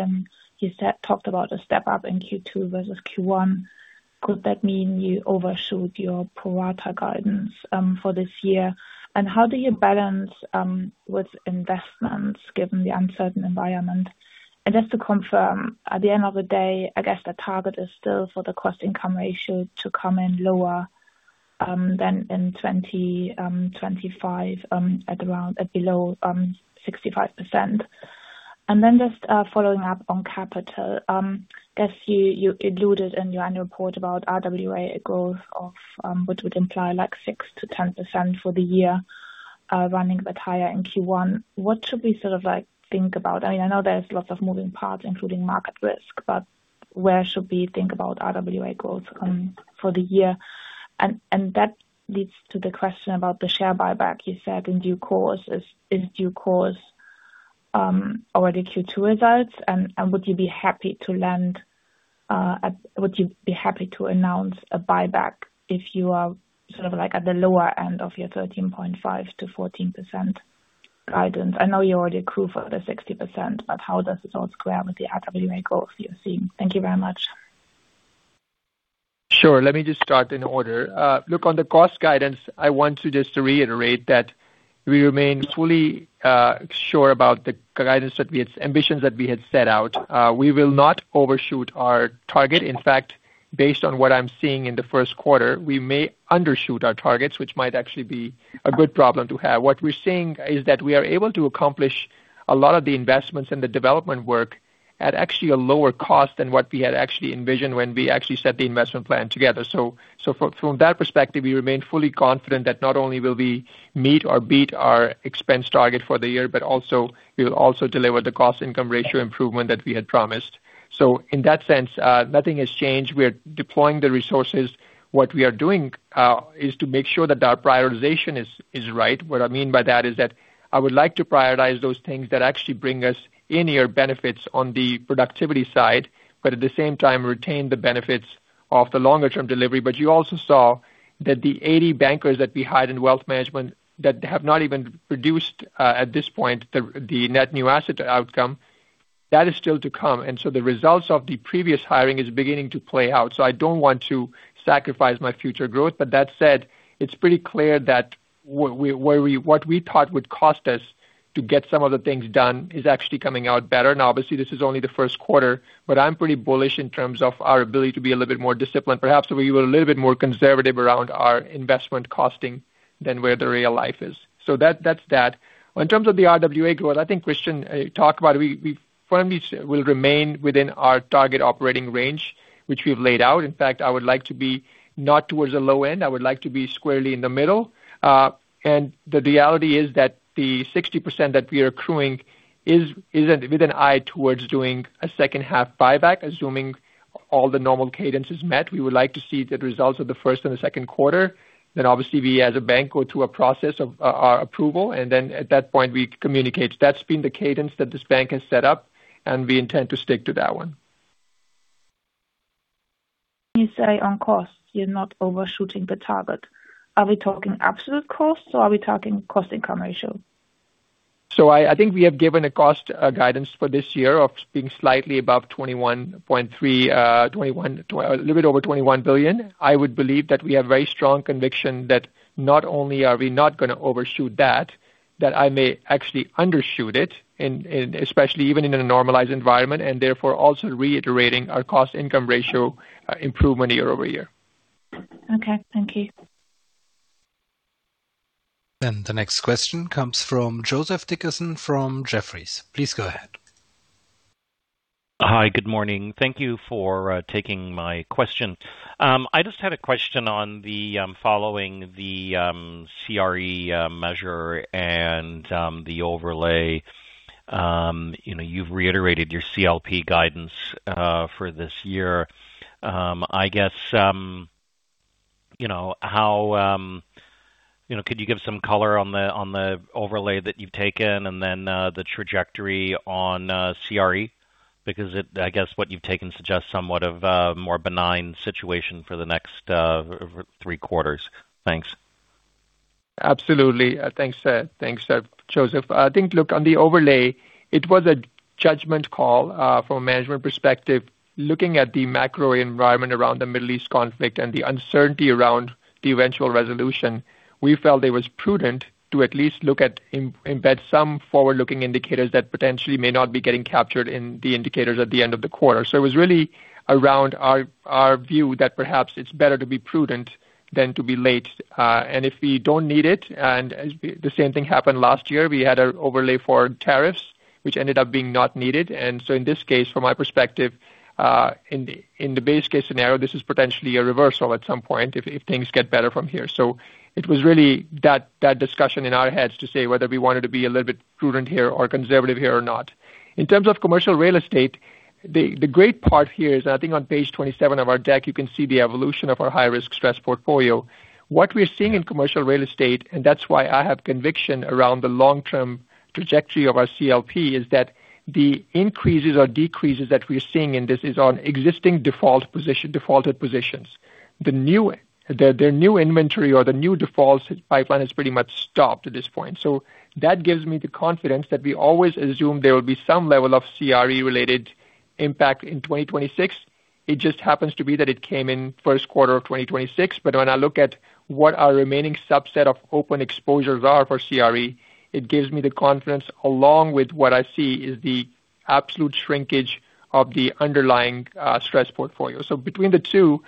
you talked about a step-up in Q2 versus Q1? Could that mean you overshoot your pro rata guidance for this year? How do you balance with investments given the uncertain environment? Just to confirm, at the end of the day, I guess the target is still for the cost-income ratio to come in lower than in 2025, at around, below 65%. Just following up on capital. I guess you alluded in your annual report about RWA growth of, which would imply like 6%-10% for the year, running a bit higher in Q1. What should we sort of like think about? I mean, I know there's lots of moving parts, including market risk, but where should we think about RWA growth for the year? That leads to the question about the share buyback. You said in due course. Is due course already Q2 results? Would you be happy to announce a buyback if you are sort of like at the lower end of your 13.5%-14% guidance? I know you already accrue for the 60%, but how does this all square with the RWA growth you're seeing? Thank you very much. Sure. Let me just start in order. Look, on the cost guidance, I want to just reiterate that we remain fully sure about the guidance that we had set out. We will not overshoot our target. In fact, based on what I'm seeing in the first quarter, we may undershoot our targets, which might actually be a good problem to have. What we're seeing is that we are able to accomplish a lot of the investments and the development work at actually a lower cost than what we had actually envisioned when we actually set the investment plan together. From that perspective, we remain fully confident that not only will we meet or beat our expense target for the year, but also, we'll also deliver the cost income ratio improvement that we had promised. In that sense, nothing has changed. We are deploying the resources. What we are doing is to make sure that our prioritization is right. What I mean by that is that I would like to prioritize those things that actually bring us in year benefits on the productivity side, but at the same time retain the benefits of the longer-term delivery. You also saw that the 80 bankers that we hired in wealth management that have not even produced at this point, the net new asset outcome, that is still to come. The result of the previous hiring is beginning to play out. I don't want to sacrifice my future growth. That said, it's pretty clear that what we thought would cost us to get some of the things done is actually coming out better. Obviously this is only the first quarter, but I'm pretty bullish in terms of our ability to be a little bit more disciplined. Perhaps we were a little bit more conservative around our investment costing than where the real life is. That, that's that. In terms of the RWA growth, I think Christian talked about it. We firmly will remain within our target operating range, which we've laid out. In fact, I would like to be not towards the low end. I would like to be squarely in the middle. The reality is that the 60% that we are accruing is with an eye towards doing a second half buyback, assuming all the normal cadence is met. We would like to see the results of the first and the second quarter. Obviously, we as a bank go through a process of approval, and then at that point we communicate. That's been the cadence that this bank has set up, and we intend to stick to that one. You say on costs you're not overshooting the target. Are we talking absolute costs or are we talking cost income ratio? I think we have given a cost guidance for this year of being slightly above 21.3, a little bit over 21 billion. I would believe that we have very strong conviction that not only are we not gonna overshoot that I may actually undershoot it especially even in a normalized environment, and therefore also reiterating our cost income ratio improvement year-over-year. Okay. Thank you. The next question comes from Joseph Dickerson from Jefferies. Please go ahead. Hi. Good morning. Thank you for taking my question. I just had a question on the following the CRE measure and the overlay. You know, you've reiterated your CLP guidance for this year. I guess, you know, how, you know, could you give some color on the overlay that you've taken and then the trajectory on CRE? I guess what you've taken suggests somewhat of a more benign situation for the next three quarters. Thanks. Absolutely. Thanks, thanks, Joseph. I think, look, on the overlay, it was a judgment call from a management perspective. Looking at the macro environment around the Middle East conflict and the uncertainty around the eventual resolution, we felt it was prudent to at least look at embed some forward-looking indicators that potentially may not be getting captured in the indicators at the end of the quarter. It was really around our view that perhaps it's better to be prudent than to be late. If we don't need it, and the same thing happened last year, we had a overlay for tariffs which ended up being not needed. In this case, from my perspective, in the base case scenario, this is potentially a reversal at some point if things get better from here. It was really that discussion in our heads to say whether we wanted to be a little bit prudent here or conservative here or not. In terms of commercial real estate, the great part here is, and I think on page 27 of our deck, you can see the evolution of our high-risk stress portfolio. What we're seeing in commercial real estate, and that's why I have conviction around the long-term trajectory of our CLP, is that the increases or decreases that we're seeing in this is on existing defaulted positions. The new inventory or the new defaults pipeline has pretty much stopped at this point. That gives me the confidence that we always assume there will be some level of CRE-related impact in 2026. It just happens to be that it came in first quarter of 2026. When I look at what our remaining subset of open exposures are for CRE, it gives me the confidence along with what I see is Absolute shrinkage of the underlying stress portfolio. Between the two,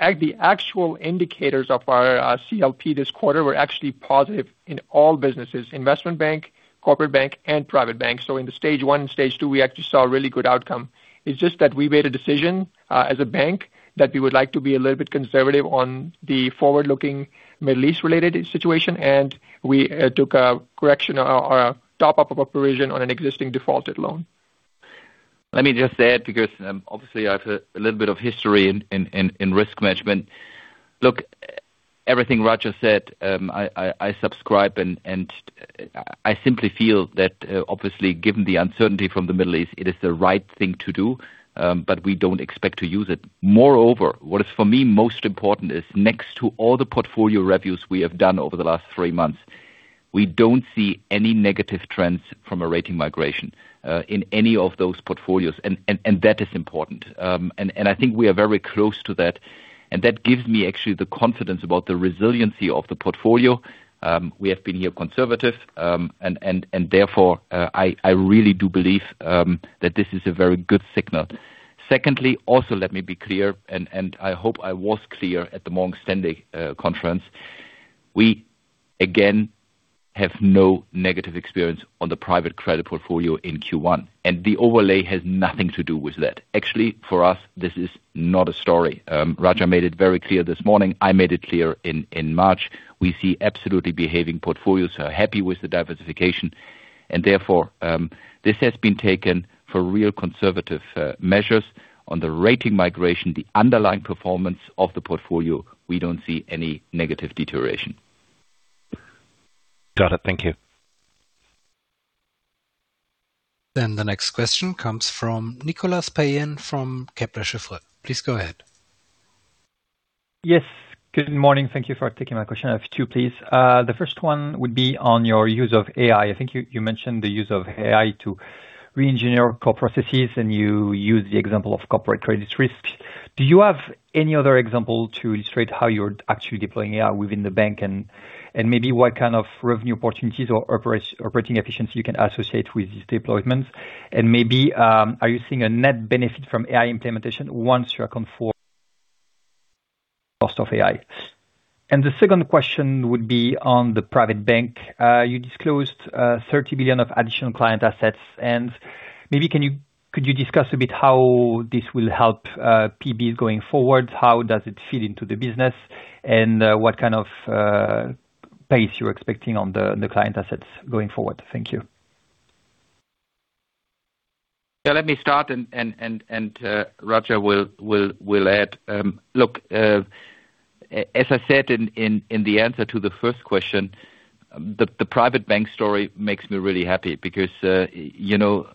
actual indicators of our CLP this quarter were actually positive in all businesses, Investment Bank, Corporate Bank and Private Bank. In the stage one and stage two, we actually saw a really good outcome. It's just that we made a decision as a bank that we would like to be a little bit conservative on the forward-looking Middle East related situation, and we took a correction or a top-up of a provision on an existing defaulted loan. Let me just add, because obviously, I have a little bit of history in risk management. Look, everything Raja said, I subscribe and I simply feel that obviously, given the uncertainty from the Middle East, it is the right thing to do, but we don't expect to use it. Moreover, what is for me most important is next to all the portfolio reviews we have done over the last three months, we don't see any negative trends from a rating migration in any of those portfolios. That is important. I think we are very close to that, and that gives me actually the confidence about the resiliency of the portfolio. We have been here conservative, and therefore, I really do believe that this is a very good signal. Secondly, also, let me be clear and I hope I was clear at the Morgan Stanley conference. We again have no negative experience on the private credit portfolio in Q1, and the overlay has nothing to do with that. Actually, for us, this is not a story. Raja made it very clear this morning. I made it clear in March. We see absolutely behaving portfolios are happy with the diversification and therefore, this has been taken for real conservative measures. On the rating migration, the underlying performance of the portfolio, we don't see any negative deterioration. Got it. Thank you. The next question comes from Nicolas Payen from Kepler Cheuvreux. Please go ahead. Yes, good morning. Thank you for taking my question. I have two, please. The first one would be on your use of AI. I think you mentioned the use of AI to re-engineer core processes, and you used the example of corporate credit risk. Do you have any other example to illustrate how you're actually deploying AI within the bank, and maybe what kind of revenue opportunities or operating efficiency you can associate with these deployments? Maybe, are you seeing a net benefit from AI implementation once your account for cost of AI? The second question would be on the private bank. You disclosed 30 billion of additional client assets, and maybe could you discuss a bit how this will help PB going forward? How does it fit into the business, and what kind of pace you're expecting on the client assets going forward? Thank you. Let me start. Raja will add. Look, as I said in the answer to the first question, the private bank story makes me really happy because, you know,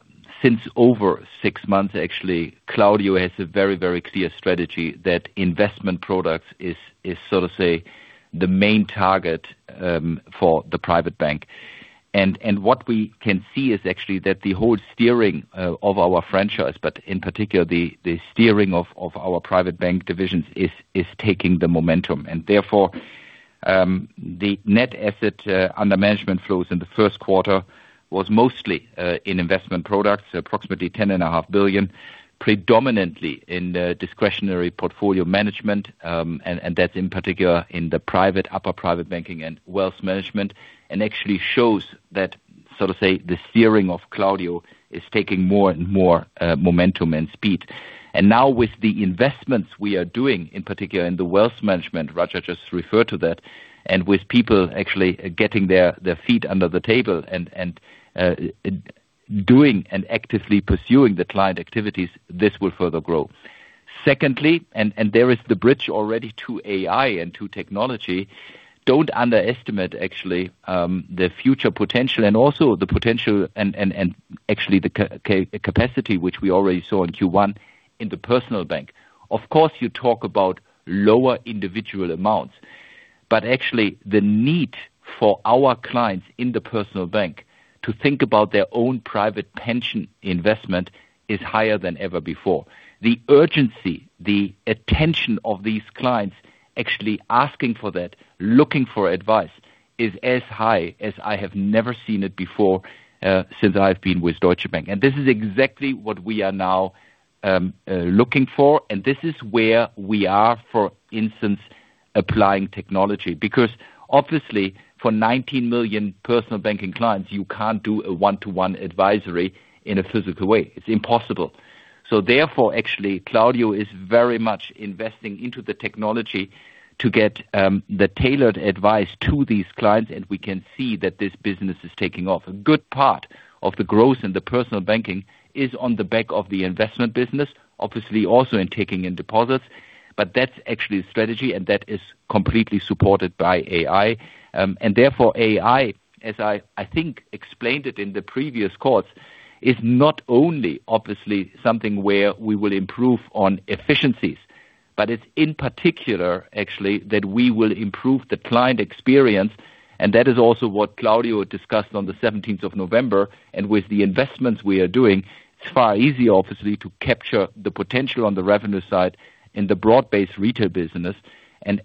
since over six months actually, Claudio has a very, very clear strategy that investment products is so to say the main target for the private bank. What we can see is actually that the whole steering of our franchise, but in particular the steering of our private bank divisions is taking the momentum. Therefore, the net asset under management flows in the first quarter was mostly in investment products, approximately 10.5 billion, predominantly in the discretionary portfolio management. That's in particular in the private, upper private banking and wealth management, and actually shows that, so to say, the steering of Claudio is taking more and more momentum and speed. Now with the investments we are doing, in particular in the wealth management, Raja just referred to that, and with people actually getting their feet under the table and doing and actively pursuing the client activities, this will further grow. Secondly, there is the bridge already to AI and to technology. Don't underestimate actually the future potential and also the potential and actually the capacity which we already saw in Q1 in the personal bank. You talk about lower individual amounts, actually the need for our clients in the personal bank to think about their own private pension investment is higher than ever before. The urgency, the attention of these clients actually asking for that, looking for advice is as high as I have never seen it before, since I've been with Deutsche Bank. This is exactly what we are now looking for. This is where we are, for instance, applying technology, because obviously for 19 million personal banking clients, you can't do a one-to-one advisory in a physical way. It's impossible. Therefore, actually, Claudio is very much investing into the technology to get the tailored advice to these clients, we can see that this business is taking off. A good part of the growth in the personal banking is on the back of the investment business, obviously also in taking in deposits, but that's actually the strategy, and that is completely supported by AI. Therefore AI, as I think explained it in the previous calls, is not only obviously something where we will improve on efficiencies, but it's in particular actually that we will improve the client experience. That is also what Claudio discussed on the 17th of November. With the investments we are doing, it's far easier obviously to capture the potential on the revenue side in the broad-based retail business.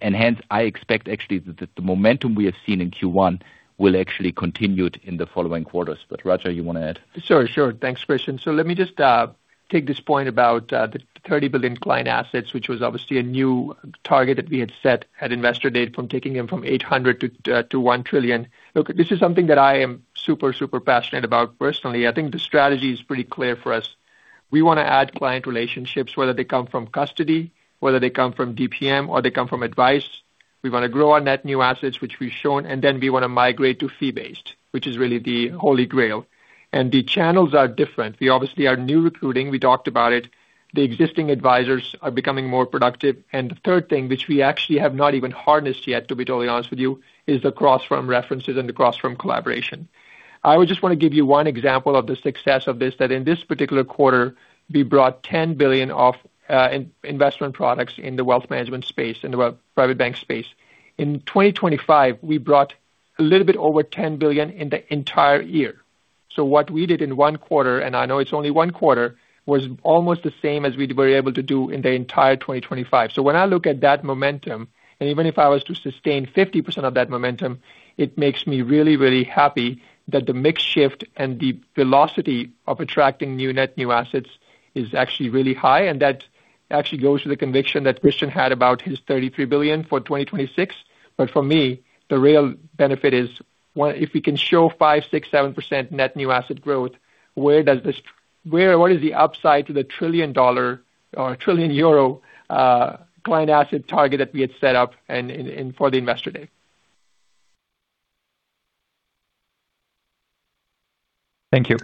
Hence, I expect actually that the momentum we have seen in Q1 will actually continue in the following quarters. Raja, you wanna add? Sure, sure. Thanks, Christian. Let me just take this point about the 30 billion client assets, which was obviously a new target that we had set at Investor Day from taking them from 800 to 1 trillion. Look, this is something that I am super passionate about personally. I think the strategy is pretty clear for us. We wanna add client relationships, whether they come from custody, whether they come from DPM or they come from advice. We wanna grow our net new assets, which we've shown, and then we wanna migrate to fee-based, which is really the holy grail. The channels are different. We obviously are new recruiting we talked about it. The existing advisors are becoming more productive. The third thing, which we actually have not even harnessed yet, to be totally honest with you, is the cross-firm references and the cross-firm collaboration. I would just want to give you one example of the success of this, that in this particular quarter, we brought 10 billion of in-investment products in the wealth management space, in the private bank space. In 2025, we brought a little bit over 10 billion in the entire year. What we did in one quarter, and I know it's only one quarter, was almost the same as we were able to do in the entire 2025. When I look at that momentum, and even if I was to sustain 50% of that momentum, it makes me really, really happy that the mix shift and the velocity of attracting new net, new assets is actually really high. That actually goes to the conviction that Christian had about his 33 billion for 2026. For me, the real benefit is if we can show 5%, 6%, 7% net new asset growth, what is the upside to the $1 trillion or 1 trillion euro client asset target that we had set up and for the Investor Day? Thank you.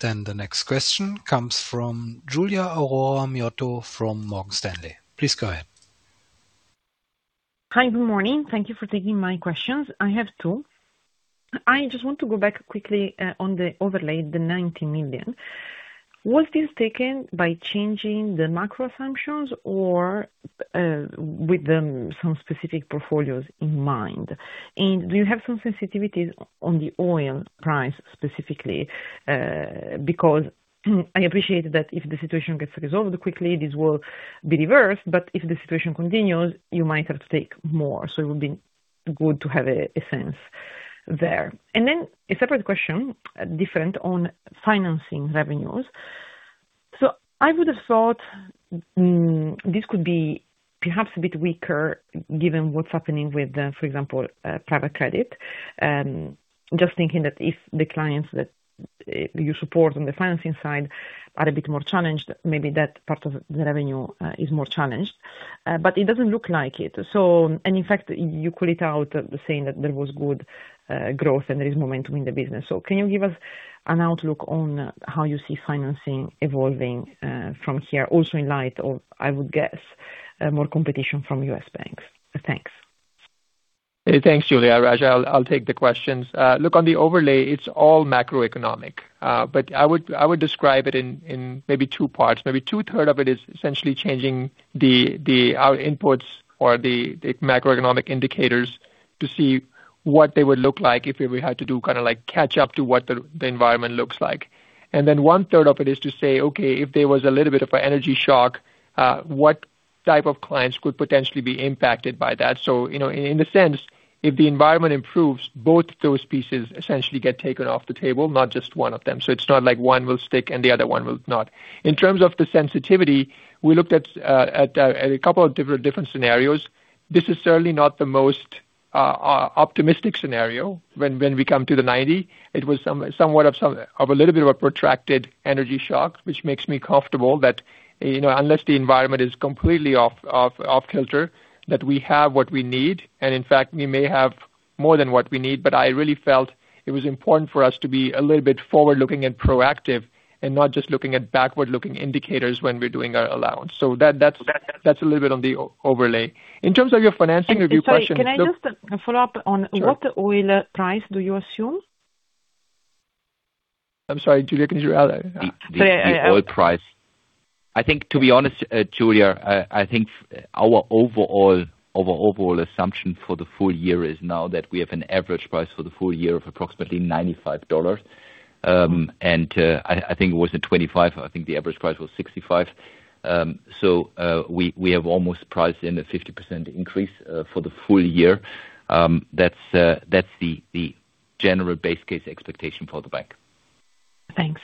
Then the next question comes from Giulia Aurora Miotto from Morgan Stanley. Please go ahead. Hi, good morning. Thank you for taking my questions. I have two. I just want to go back quickly on the overlay, the 90 million. Was this taken by changing the macro assumptions or with them some specific portfolios in mind? Do you have some sensitivities on the oil price specifically? Because I appreciate that if the situation gets resolved quickly, this will be reversed, but if the situation continues, you might have to take more. It would be good to have a sense there. A separate question, different on financing revenues. I would have thought, this could be perhaps a bit weaker given what's happening with, for example, private credit. Just thinking that if the clients that you support on the financing side are a bit more challenged, maybe that part of the revenue is more challenged. It doesn't look like it. In fact, you call it out saying that there was good growth and there is momentum in the business. Can you give us an outlook on how you see financing evolving from here also in light of, I would guess, more competition from U.S. banks? Thanks. Thanks, Giulia. Raja, I'll take the questions. Look, on the overlay, it's all macroeconomic, but I would describe it in maybe two parts. Maybe two-third of it is essentially changing the our inputs or the macroeconomic indicators to see what they would look like if we had to do kinda like catch up to what the environment looks like. One-third of it is to say, "Okay, if there was a little bit of a energy shock, what type of clients could potentially be impacted by that?" You know, in a sense, if the environment improves, both those pieces essentially get taken off the table, not just one of them. It's not like one will stick and the other one will not. In terms of the sensitivity, we looked at a couple of different scenarios. This is certainly not the most optimistic scenario when we come to the 90. It was somewhat of a little bit of a protracted energy shock, which makes me comfortable that, you know, unless the environment is completely off kilter, that we have what we need, and in fact, we may have more than what we need. I really felt it was important for us to be a little bit forward-looking and proactive and not just looking at backward-looking indicators when we're doing our allowance. That's a little bit on the overlay. In terms of your financing review question- Sorry, can I just follow up on what oil price do you assume? I'm sorry, Giulia, can you hear that? The oil price. I think to be honest, Giulia, I think our overall assumption for the full year is now that we have an average price for the full year of approximately $95. I think it was in 2025, I think the average price was $65. We have almost priced in a 50% increase for the full year. That's the general base case expectation for the bank. Thanks.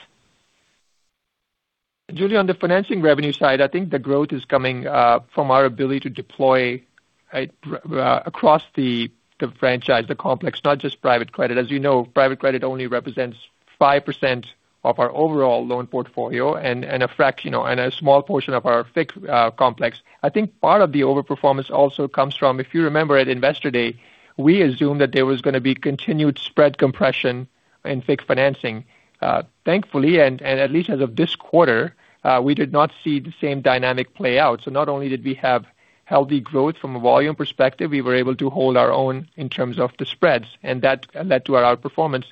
Giulia, on the financing revenue side, I think the growth is coming from our ability to deploy across the franchise, the complex, not just private credit. As you know, private credit only represents 5% of our overall loan portfolio and, you know, and a small portion of our FIC complex. I think part of the overperformance also comes from, if you remember at Investor Day, we assumed that there was gonna be continued spread compression in FIC financing. Thankfully, and at least as of this quarter, we did not see the same dynamic play out. Not only did we have healthy growth from a volume perspective, we were able to hold our own in terms of the spreads, and that led to our outperformance.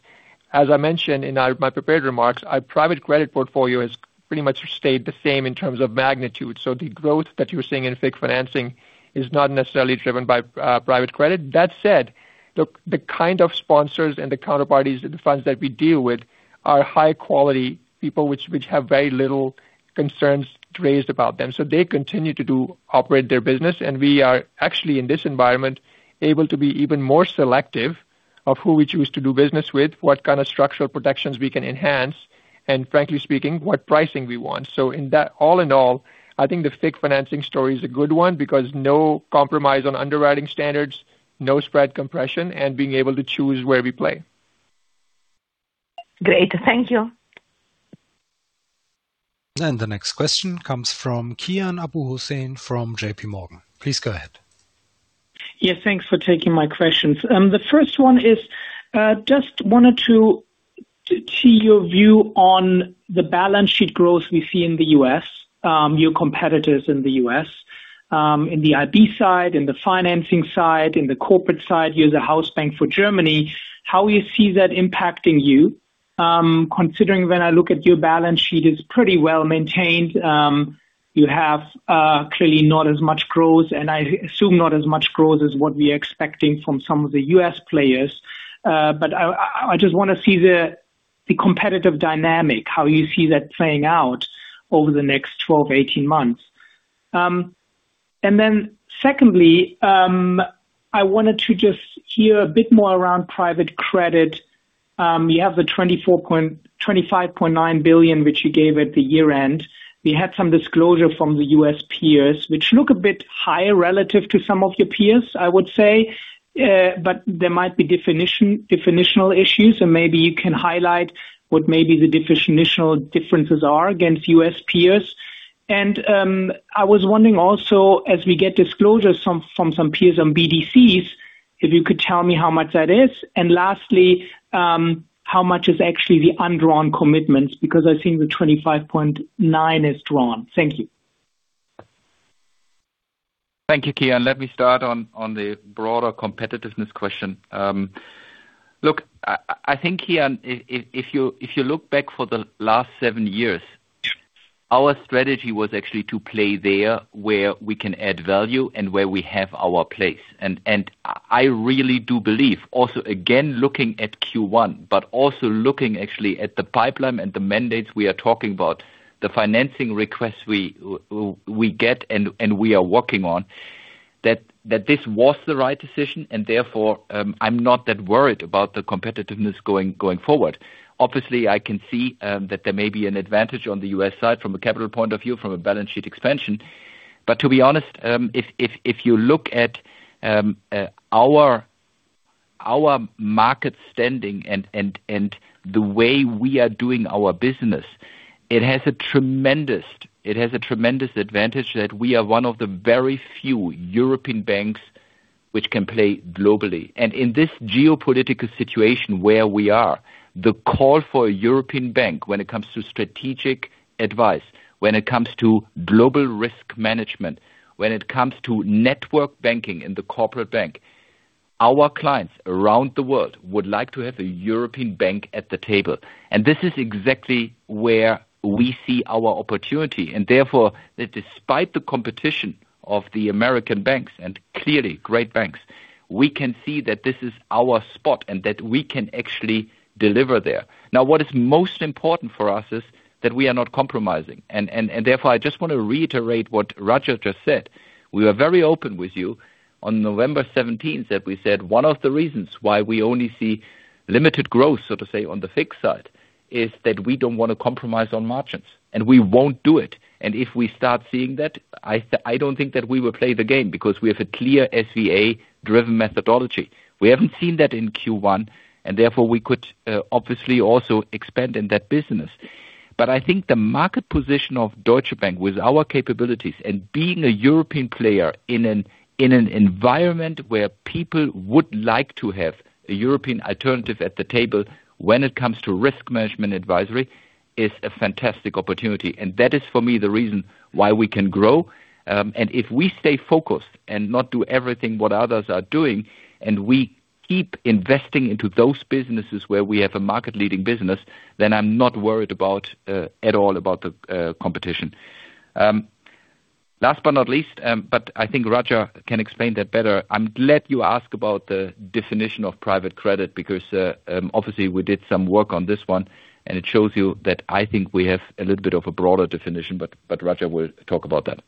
As I mentioned in my prepared remarks, our private credit portfolio is pretty much stayed the same in terms of magnitude. The growth that you're seeing in FIC financing is not necessarily driven by private credit. That said, the kind of sponsors and the counterparties and the funds that we deal with are high quality people which have very little concerns raised about them. They continue to do operate their business, and we are actually in this environment, able to be even more selective of who we choose to do business with, what kind of structural protections we can enhance, and frankly speaking, what pricing we want. In that, all in all, I think the FIC financing story is a good one because no compromise on underwriting standards, no spread compression, and being able to choose where we play. Great. Thank you. The next question comes from Kian Abouhossein from J.P. Morgan. Please go ahead. Thanks for taking my questions. The first one is, just wanted to your view on the balance sheet growth we see in the U.S., your competitors in the U.S., in the IB side, in the financing side, in the corporate side, you're the house bank for Germany. How you see that impacting you, considering when I look at your balance sheet, it's pretty well-maintained. You have, clearly not as much growth, and I assume not as much growth as what we're expecting from some of the U.S. players. I just wanna see the competitive dynamic, how you see that playing out over the next 12, 18 months. And then secondly, I wanted to just hear a bit more around private credit. You have the 24 point... 25.9 billion, which you gave at the year-end. We had some disclosure from the U.S. peers, which look a bit higher relative to some of your peers, I would say. There might be definitional issues, so maybe you can highlight what maybe the definitional differences are against U.S. peers. I was wondering also, as we get disclosure from some peers on BDCs, if you could tell me how much that is. Lastly, how much is actually the undrawn commitments because I've seen the 25.9 is drawn. Thank you. Thank you, Kian. Let me start on the broader competitiveness question. Look, I think, Kian, if you look back for the last seven years, our strategy was actually to play there where we can add value and where we have our place. I really do believe, also again looking at Q1, but also looking actually at the pipeline and the mandates we are talking about, the financing requests we get and we are working on, that this was the right decision and therefore, I'm not that worried about the competitiveness going forward. Obviously, I can see that there may be an advantage on the U.S. side from a capital point of view, from a balance sheet expansion. To be honest, if you look at our market standing and the way we are doing our business, it has a tremendous advantage that we are one of the very few European banks which can play globally. In this geopolitical situation where we are, the call for a European bank when it comes to strategic advice, when it comes to global risk management, when it comes to network banking in the corporate bank, our clients around the world would like to have a European bank at the table. This is exactly where we see our opportunity, and therefore, despite the competition of the American banks, and clearly great banks, we can see that this is our spot and that we can actually deliver there. What is most important for us is that we are not compromising. I just wanna reiterate what Raja just said. We are very open with you. On November 17, that we said, one of the reasons why we only see limited growth, so to say, on the FIC side, is that we don't wanna compromise on margins, we won't do it. If we start seeing that, I don't think that we will play the game because we have a clear SVA-driven methodology. We haven't seen that in Q1; therefore, we could obviously also expand in that business. I think the market position of Deutsche Bank with our capabilities and being a European player in an environment where people would like to have a European alternative at the table when it comes to risk management advisory is a fantastic opportunity. That is for me, the reason why we can grow. If we stay focused and not do everything what others are doing, and we keep investing into those businesses where we have a market-leading business, then I'm not worried about, at all about the competition. Last but not least, I think Raja can explain that better. I'm glad you asked about the definition of private credit because, obviously we did some work on this one, and it shows you that I think we have a little bit of a broader definition, but Raja will talk about that.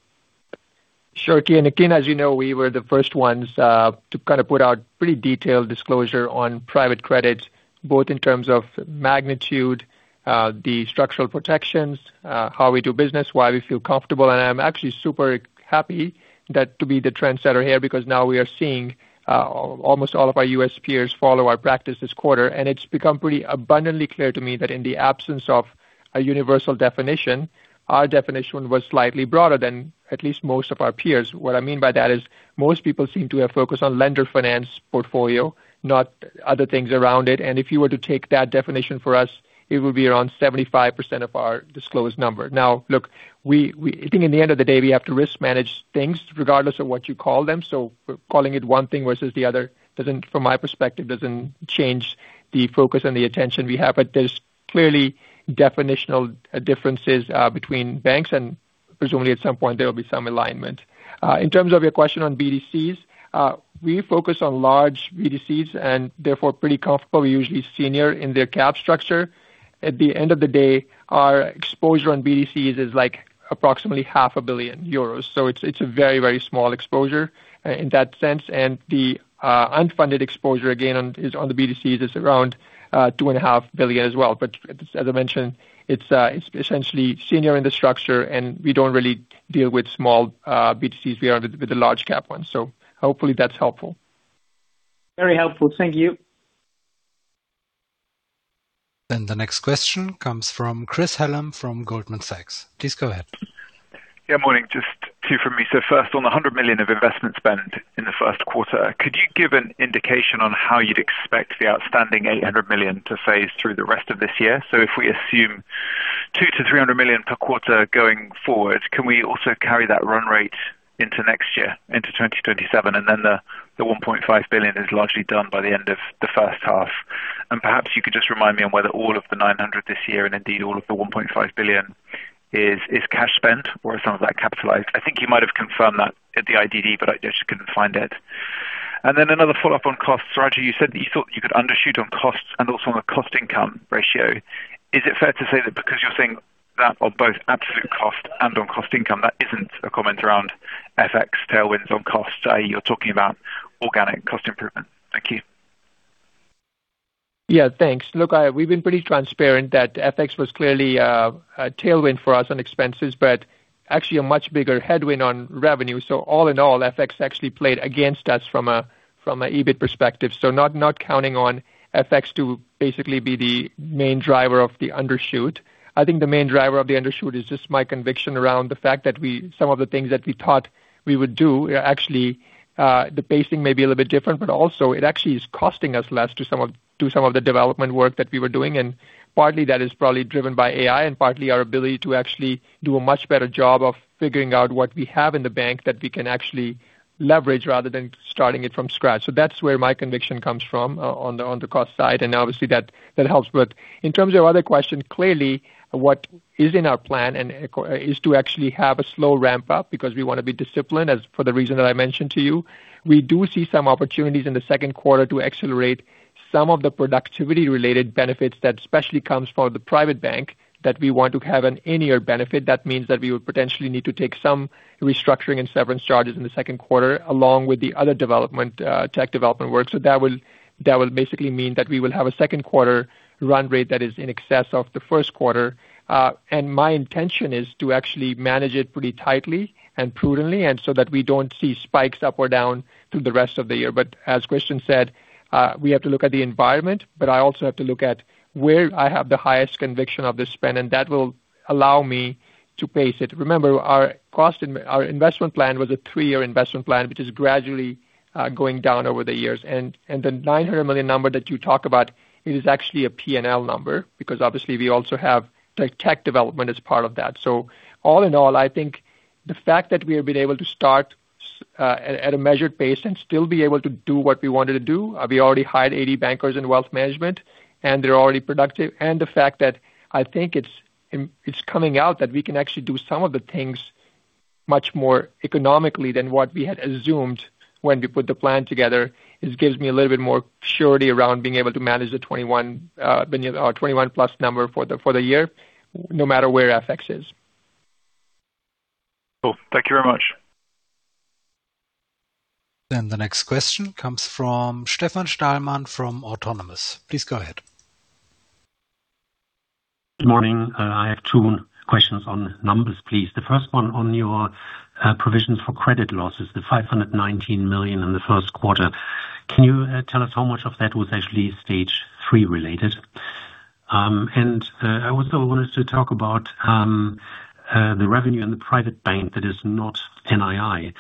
Sure, Kian. Again, as you know, we were the first ones to kind of put out pretty detailed disclosure on private credits, both in terms of magnitude, the structural protections, how we do business, why we feel comfortable. I'm actually super happy that to be the trendsetter here because now we are seeing almost all of our U.S. peers follow our practice this quarter. It's become pretty abundantly clear to me that in the absence of a universal definition, our definition was slightly broader than at least most of our peers. What I mean by that is m-ost people seem to have focused on lender finance portfolio, not other things around it. If you were to take that definition for us, it would be around 75% of our disclosed number. Look, I think in the end of the day, we have to risk manage things regardless of what you call them. Calling it one thing versus the other doesn't, from my perspective, doesn't change the focus and the attention we have. There's clearly definitional differences between banks. Presumably at some point there will be some alignment. In terms of your question on BDCs, we focus on large BDCs and therefore pretty comfortable, usually senior in their cap structure. At the end of the day, our exposure on BDCs is like approximately half a billion EUR. It's a very, very small exposure in that sense. The unfunded exposure again is on the BDCs is around two and a half billion EUR as well. As I mentioned, it's essentially senior in the structure, and we don't really deal with small, BDCs. We are with the large cap ones. Hopefully that's helpful. Very helpful. Thank you. The next question comes from Chris Hallam from Goldman Sachs. Please go ahead. Morning. Just two from me. First, on the 100 million of investment spend in the first quarter, could you give an indication on how you'd expect the outstanding 800 million to phase through the rest of this year? If we assume 200 million-300 million per quarter going forward, can we also carry that run rate into next year, into 2027, and the 1.5 billion is largely done by the end of the first half? Perhaps you could just remind me on whether all of the 900 million this year and indeed all of the 1.5 billion is cash spend or some of that capitalized. I think you might have confirmed that at the IDD, I just couldn't find it. Another follow-up on costs. Raja, you said that you thought you could undershoot on costs and also on the cost income ratio. Is it fair to say that because you're seeing that on both absolute cost and on cost income, that isn't a comment around FX tailwinds on costs, i.e., you're talking about organic cost improvement? Thank you. Yeah, thanks. Look, we've been pretty transparent that FX was clearly a tailwind for us on expenses, but actually a much bigger headwind on revenue. All in all, FX actually played against us from a, from a EBIT perspective. Not, not counting on FX to basically be the main driver of the undershoot. I think the main driver of the undershoot is just my conviction around the fact that some of the things that we thought we would do are actually the pacing may be a little bit different, but also it actually is costing us less to some of, to some of the development work that we were doing. Partly that is probably driven by AI and partly our ability to actually do a much better job of figuring out what we have in the bank that we can actually leverage rather than starting it from scratch. That's where my conviction comes from on the, on the cost side, and obviously that helps. In terms of other questions, clearly what is in our plan is to actually have a slow ramp-up because we wanna be disciplined, as for the reason that I mentioned to you. We do see some opportunities in the second quarter to accelerate some of the productivity-related benefits that especially comes from the Private Bank that we want to have an in-year benefit. That means that we would potentially need to take some restructuring and severance charges in the second quarter, along with the other development, tech development work. That will basically mean that we will have a second quarter run rate that is in excess of the first quarter. My intention is to actually manage it pretty tightly and prudently that we don't see spikes up or down through the rest of the year. As Christian said, we have to look at the environment, but I also have to look at where I have the highest conviction of the spend, and that will allow me to pace it. Remember, our investment plan was a three-year investment plan, which is gradually going down over the years. The 900 million number that you talk about is actually a P&L number because obviously we also have the tech development as part of that. All in all, I think the fact that we have been able to start at a measured pace and still be able to do what we wanted to do. We already hired 80 bankers in wealth management, and they're already productive. The fact that I think it's coming out that we can actually do some of the things much more economically than what we had assumed when we put the plan together. It gives me a little bit more surety around being able to manage the 21 billion or 21-plus number for the year, no matter where FX is. Cool. Thank you very much. The next question comes from Stefan Stalmann from Autonomous. Please go ahead. Good morning. I have two questions on numbers, please. The first one on your provisions for credit losses, the 519 million in the first quarter. Can you tell us how much of that was actually Stage 3 related? I also wanted to talk about the revenue in the Private Bank that is not NII.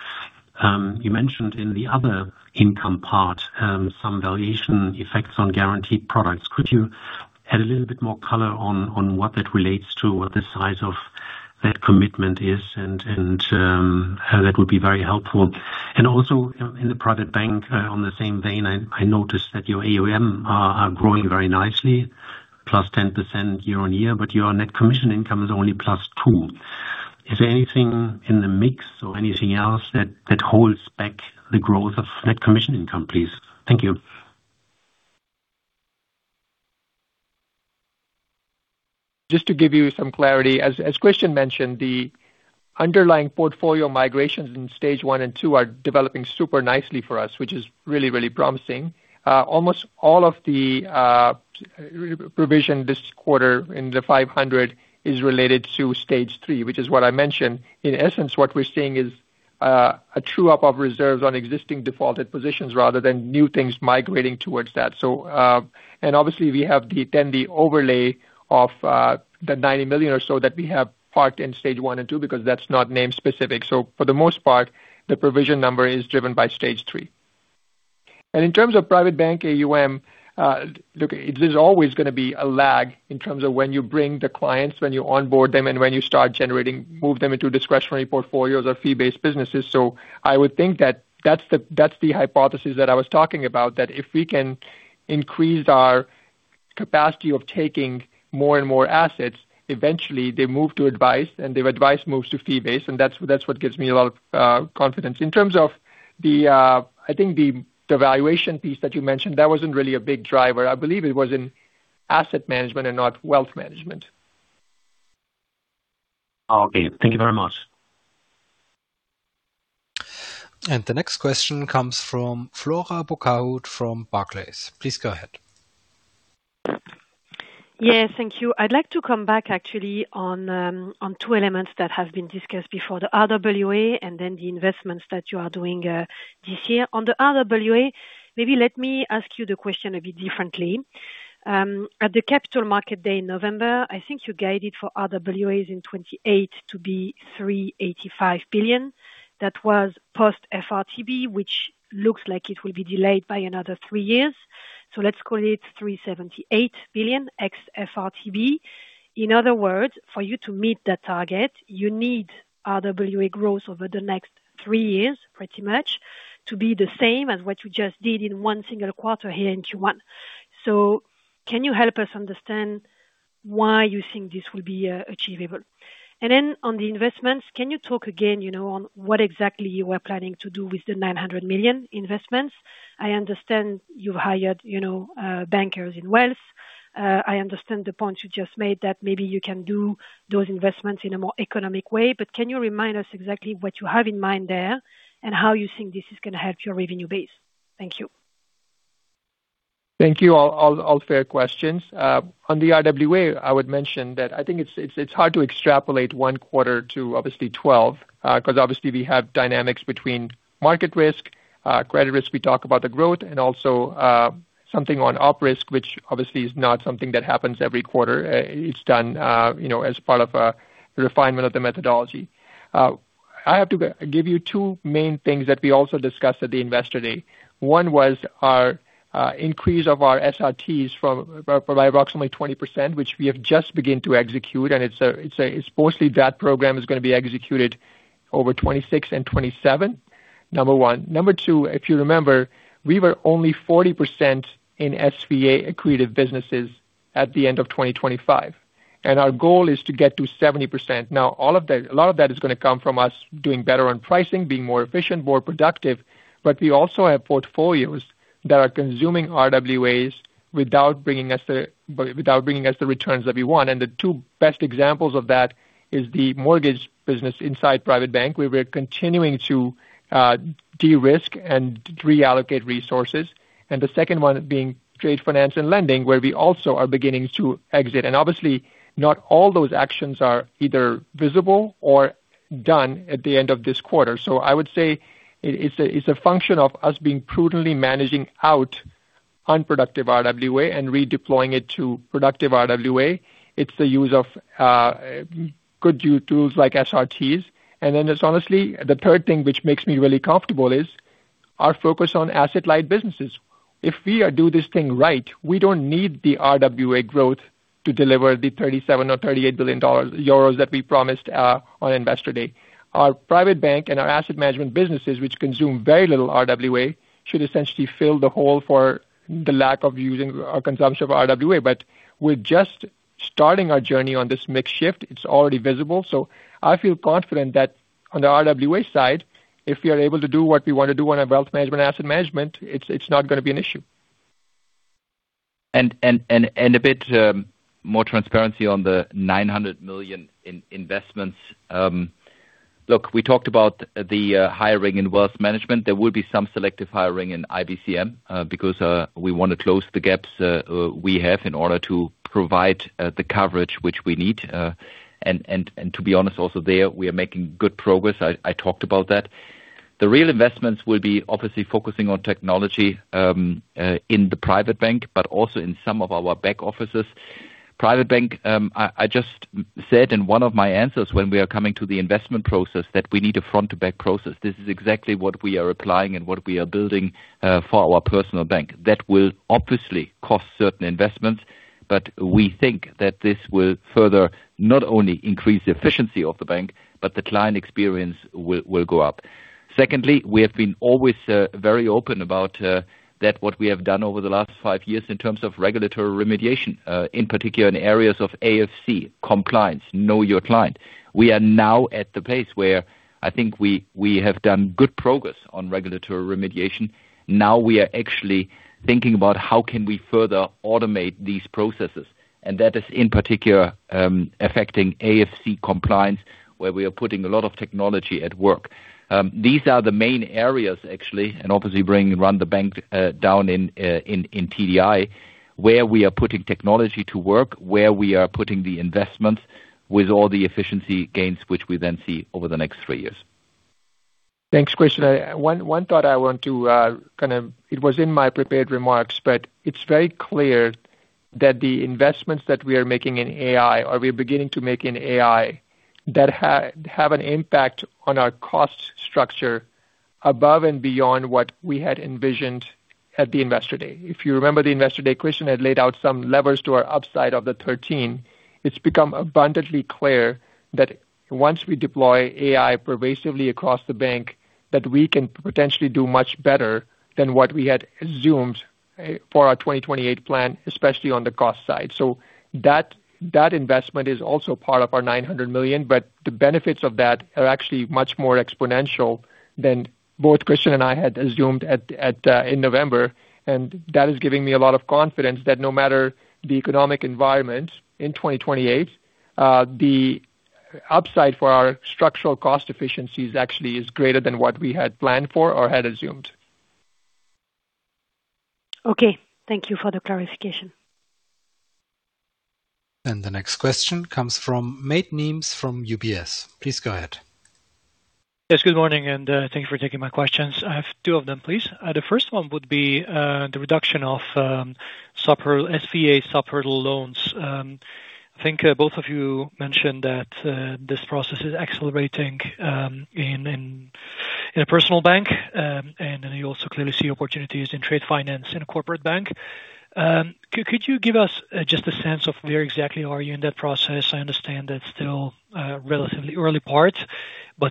You mentioned in the other income part some valuation effects on guaranteed products. Could you add a little bit more color on what that relates to, what the size of that commitment is, that would be very helpful. Also in the Private Bank, on the same vein, I noticed that your AUM are growing very nicely, +10% year-on-year, but your net commission income is only +2%. Is there anything in the mix or anything else that holds back the growth of net commission income, please? Thank you. Just to give you some clarity, as Christian mentioned, the underlying portfolio migrations in stage one and two are developing super nicely for us, which is really promising. Almost all of the re-provision this quarter in the 500 is related to stage three, which is what I mentioned. In essence, what we're seeing is a true-up of reserves on existing defaulted positions rather than new things migrating towards that. And obviously we have then the overlay of the 90 million or so that we have parked in stage one and two because that's not name specific. For the most part, the provision number is driven by stage three. In terms of private bank AUM, look, it is always gonna be a lag in terms of when you bring the clients, when you onboard them, and when you start to move them into discretionary portfolios or fee-based businesses. I would think that that's the hypothesis that I was talking about, that if we can increase our capacity of taking more and more assets. Eventually, they move to advice, and their advice moves to fee-based, and that's what gives me a lot of confidence. In terms of the, I think the valuation piece that you mentioned, that wasn't really a big driver. I believe it was in asset management and not wealth management. Okay. Thank you very much. The next question comes from Flora Bocahut from Barclays. Please go ahead. Yeah, thank you. I'd like to come back actually on two elements that have been discussed before, the RWA and then the investments that you are doing this year. On the RWA, maybe let me ask you the question a bit differently. At the Capital Market Day in November, I think you guided for RWAs in 2028 to be 385 billion. That was post FRTB, which looks like it will be delayed by another three years. Let's call it 378 billion ex-FRTB. In other words, for you to meet that target, you need RWA growth over the next three years, pretty much, to be the same as what you just did in one single quarter here in Q1. Can you help us understand why you think this will be achievable? On the investments, can you talk again, you know, on what exactly you are planning to do with the 900 million investments? I understand you've hired, you know, bankers in wealth. I understand the point you just made that maybe you can do those investments in a more economic way, but can you remind us exactly what you have in mind there and how you think this is gonna help your revenue base? Thank you. Thank you. All fair questions. On the RWA, I would mention that I think it's hard to extrapolate one quarter to obviously 12, 'cause obviously we have dynamics between market risk, credit risk. We talk about the growth and also something on op risk, which obviously is not something that happens every quarter. It's done, you know, as part of a refinement of the methodology. I have to give you two main things that we also discussed at the Investor Day. One was our increase of our SRTs from, by approximately 20%, which we have just begun to execute, and it's a mostly that program is gonna be executed over 2026 and 2027. Number 1. Number 2, if you remember, we were only 40% in SVA accretive businesses at the end of 2025, and our goal is to get to 70%. A lot of that is gonna come from us doing better on pricing, being more efficient, more productive. We also have portfolios that are consuming RWAs without bringing us the returns that we want. The two best examples of that is the mortgage business inside private bank, where we're continuing to de-risk and reallocate resources. The second one being trade finance and lending, where we also are beginning to exit. Obviously, not all those actions are either visible or done at the end of this quarter. I would say it's a function of us being prudently managing out unproductive RWA and redeploying it to productive RWA. It's the use of good tools like SRTs. There's honestly, the third thing which makes me really comfortable is our focus on asset-light businesses. If we do this thing right, we don't need the RWA growth to deliver 37 billion or EUR 38 billion that we promised on Investor Day. Our private bank and our asset management businesses, which consume very little RWA, should essentially fill the hole for the lack of using our consumption of RWA. We're just starting our journey on this mix shift. It's already visible. I feel confident that on the RWA side, if we are able to do what we want to do on our wealth management and asset management, it's not gonna be an issue. A bit more transparency on the 900 million in investments. Look, we talked about the hiring in wealth management. There will be some selective hiring in IBCM, because we want to close the gaps we have in order to provide the coverage which we need. To be honest, also there, we are making good progress. I talked about that. The real investments will be obviously focusing on technology in the private bank, but also in some of our back offices. Private bank, I just said in one of my answers when we are coming to the investment process, that we need a front to back process. This is exactly what we are applying and what we are building for our personal bank. That will obviously cost certain investments, but we think that this will further not only increase the efficiency of the bank, but the client experience will go up. Secondly, we have been always very open about that what we have done over the last five years in terms of regulatory remediation, in particular in areas of AFC compliance, know your client. We are now at the place where I think we have done good progress on regulatory remediation. Now we are actually thinking about how can we further automate these processes, and that is in particular affecting AFC compliance, where we are putting a lot of technology at work. These are the main areas actually, and obviously bringing Run the Bank down in TDI, where we are putting technology to work, where we are putting the investments with all the efficiency gains which we then see over the next three years. Thanks, Christian. One thought I want to kind of, it was in my prepared remarks, but it's very clear that the investments that we are making in AI, or we are beginning to make in AI, that have an impact on our cost structure above and beyond what we had envisioned at the Investor Day. If you remember the Investor Day, Christian had laid out some levers to our upside of the 13. It's become abundantly clear that once we deploy AI pervasively across the bank, that we can potentially do much better than what we had assumed for our 2028 plan, especially on the cost side. That investment is also part of our 900 million, but the benefits of that are actually much more exponential than both Christian Sewing and I had assumed in November, and that is giving me a lot of confidence that no matter the economic environment in 2028, the upside for our structural cost efficiencies actually is greater than what we had planned for or had assumed. Okay. Thank you for the clarification. The next question comes from Máté Némes from UBS. Please go ahead. Yes, good morning, thank you for taking my questions. I have two of them, please. The first one would be the reduction of SVA sub-hurdle loans. I think both of you mentioned that this process is accelerating in a Personal Bank, you also clearly see opportunities in trade finance in a Corporate Bank. Could you give us just a sense of where exactly are you in that process? I understand it's still relatively early part,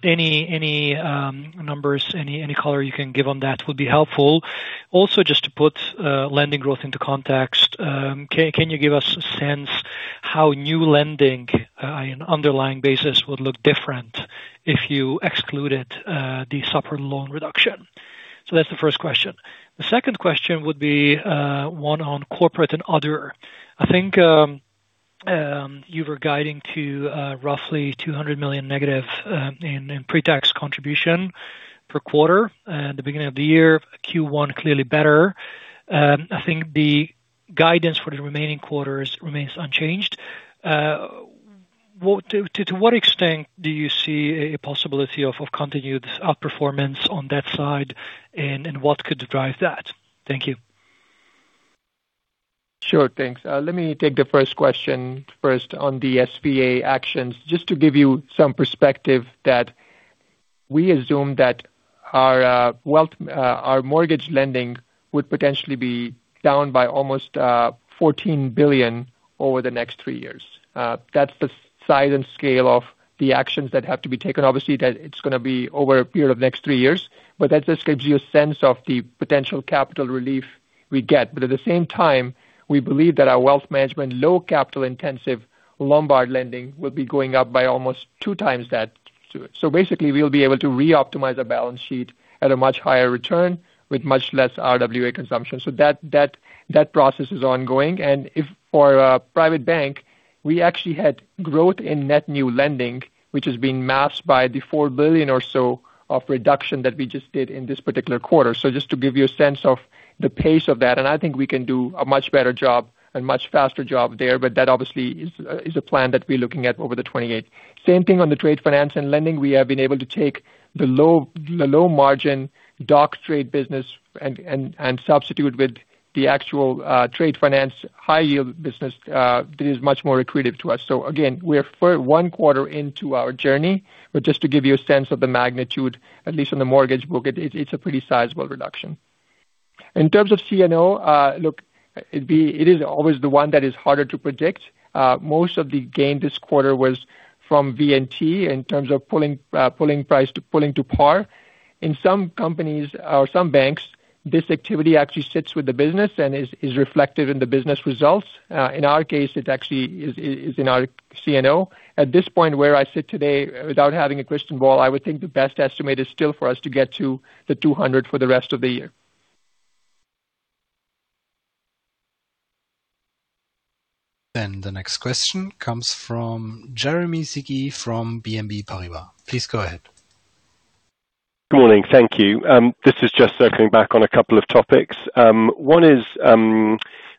any numbers, any color you can give on that would be helpful. Also, just to put lending growth into context, can you give us a sense how new lending in underlying basis would look different if you excluded the sub-hurdle loan reduction? That's the first question. The second question would be one on corporate and other. I think you were guiding to roughly 200 million negative in pre-tax contribution per quarter the beginning of the year, Q1 clearly better. I think the guidance for the remaining quarters remains unchanged. To what extent do you see a possibility of continued outperformance on that side, and what could drive that? Thank you. Sure. Thanks. Let me take the first question first on the SVA actions. Just to give you some perspective that we assume that our wealth, our mortgage lending would potentially be down by almost 14 billion over the next three years. That's the size and scale of the actions that have to be taken. Obviously, that it's going to be over a period of next three years, but that just gives you a sense of the potential capital relief we get. At the same time, we believe that our wealth management, low capital-intensive Lombard lending will be going up by almost two times that, too. Basically, we'll be able to re-optimize our balance sheet at a much higher return with much less RWA consumption. That process is ongoing. If for Private Bank, we actually had growth in net new lending, which is being masked by the 4 billion or so of reduction that we just did in this particular quarter. Just to give you a sense of the pace of that, I think we can do a much better job and much faster job there, that obviously is a plan that we're looking at over the 2028. Same thing on the Trade Finance and lending. We have been able to take the low margin doc trade business and substitute with the actual Trade Finance High Yield business that is much more accretive to us. Again, we're one quarter into our journey, but just to give you a sense of the magnitude, at least on the mortgage book, it's a pretty sizable reduction. In terms of CNO, look, it is always the one that is harder to predict. Most of the gain this quarter was from VNT in terms of pulling price to pulling to par. In some companies or some banks, this activity actually sits with the business and is reflected in the business results. In our case, it actually is in our CNO. At this point, where I sit today, without having a crystal ball, I would think the best estimate is still for us to get to 200 for the rest of the year. The next question comes from Jeremy Sigee from BNP Paribas. Please go ahead. Good morning. Thank you. This is just circling back on a couple of topics. One is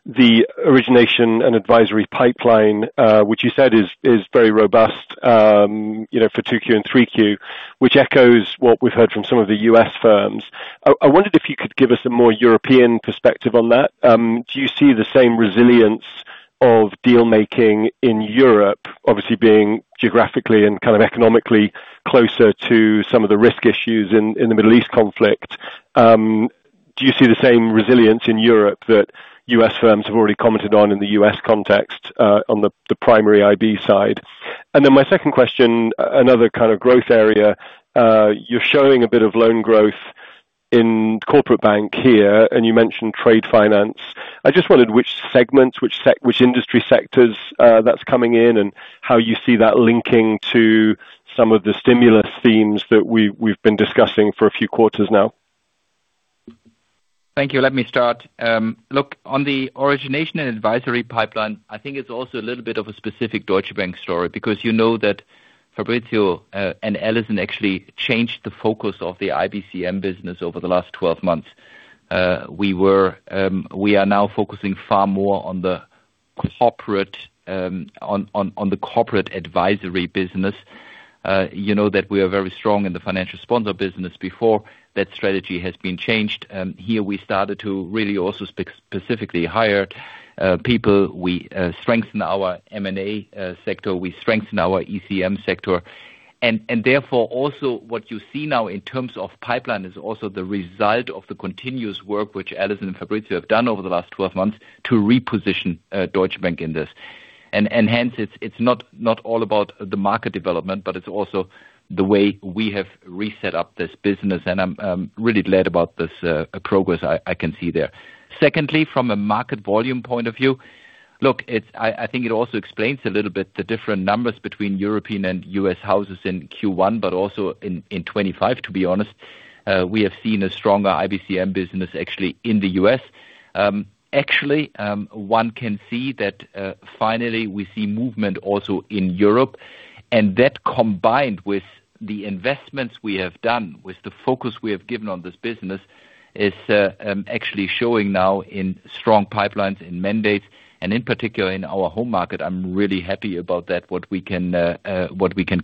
the origination and advisory pipeline, which you said is very robust, you know, for 2Q and 3Q, which echoes what we've heard from some of the U.S. firms. I wondered if you could give us a more European perspective on that. Do you see the same resilience of deal-making in Europe obviously being geographically and kind of economically closer to some of the risk issues in the Middle East conflict? Do you see the same resilience in Europe that U.S. firms have already commented on in the U.S. context on the primary IB side? My second question, another kind of growth area. You're showing a bit of loan growth in Corporate Bank here, and you mentioned trade finance. I just wondered which segments, which industry sectors that's coming in and how you see that linking to some of the stimulus themes that we've been discussing for a few quarters now. Thank you. Let me start. Look, on the origination and advisory pipeline, I think it's also a little bit of a specific Deutsche Bank story because you know that Fabrizio and Alison Harding-Jones actually changed the focus of the IBCM business over the last 12 months. We are now focusing far more on the corporate advisory business. You know that we are very strong in the financial sponsor business before that strategy has been changed. Here we started to really also specifically hire people. We strengthen our M&A sector; we strengthen our ECM sector. Therefore, also what you see now in terms of pipeline is also the result of the continuous work which Alison and Fabrizio have done over the last 12 months to reposition Deutsche Bank in this. Hence it's not all about the market development, but it's also the way we have re-set up this business. I'm really glad about this progress I can see there. Secondly, from a market volume point of view, look, I think it also explains a little bit the different numbers between European and U.S. houses in Q1, but also in 2025 to be honest. We have seen a stronger IBCM business actually in the U.S. Actually, one can see that finally we see movement also in Europe, and that combined with the investments we have done, with the focus we have given on this business, is actually showing now in strong pipelines, in mandates, and in particular in our home market. I'm really happy about that, what we can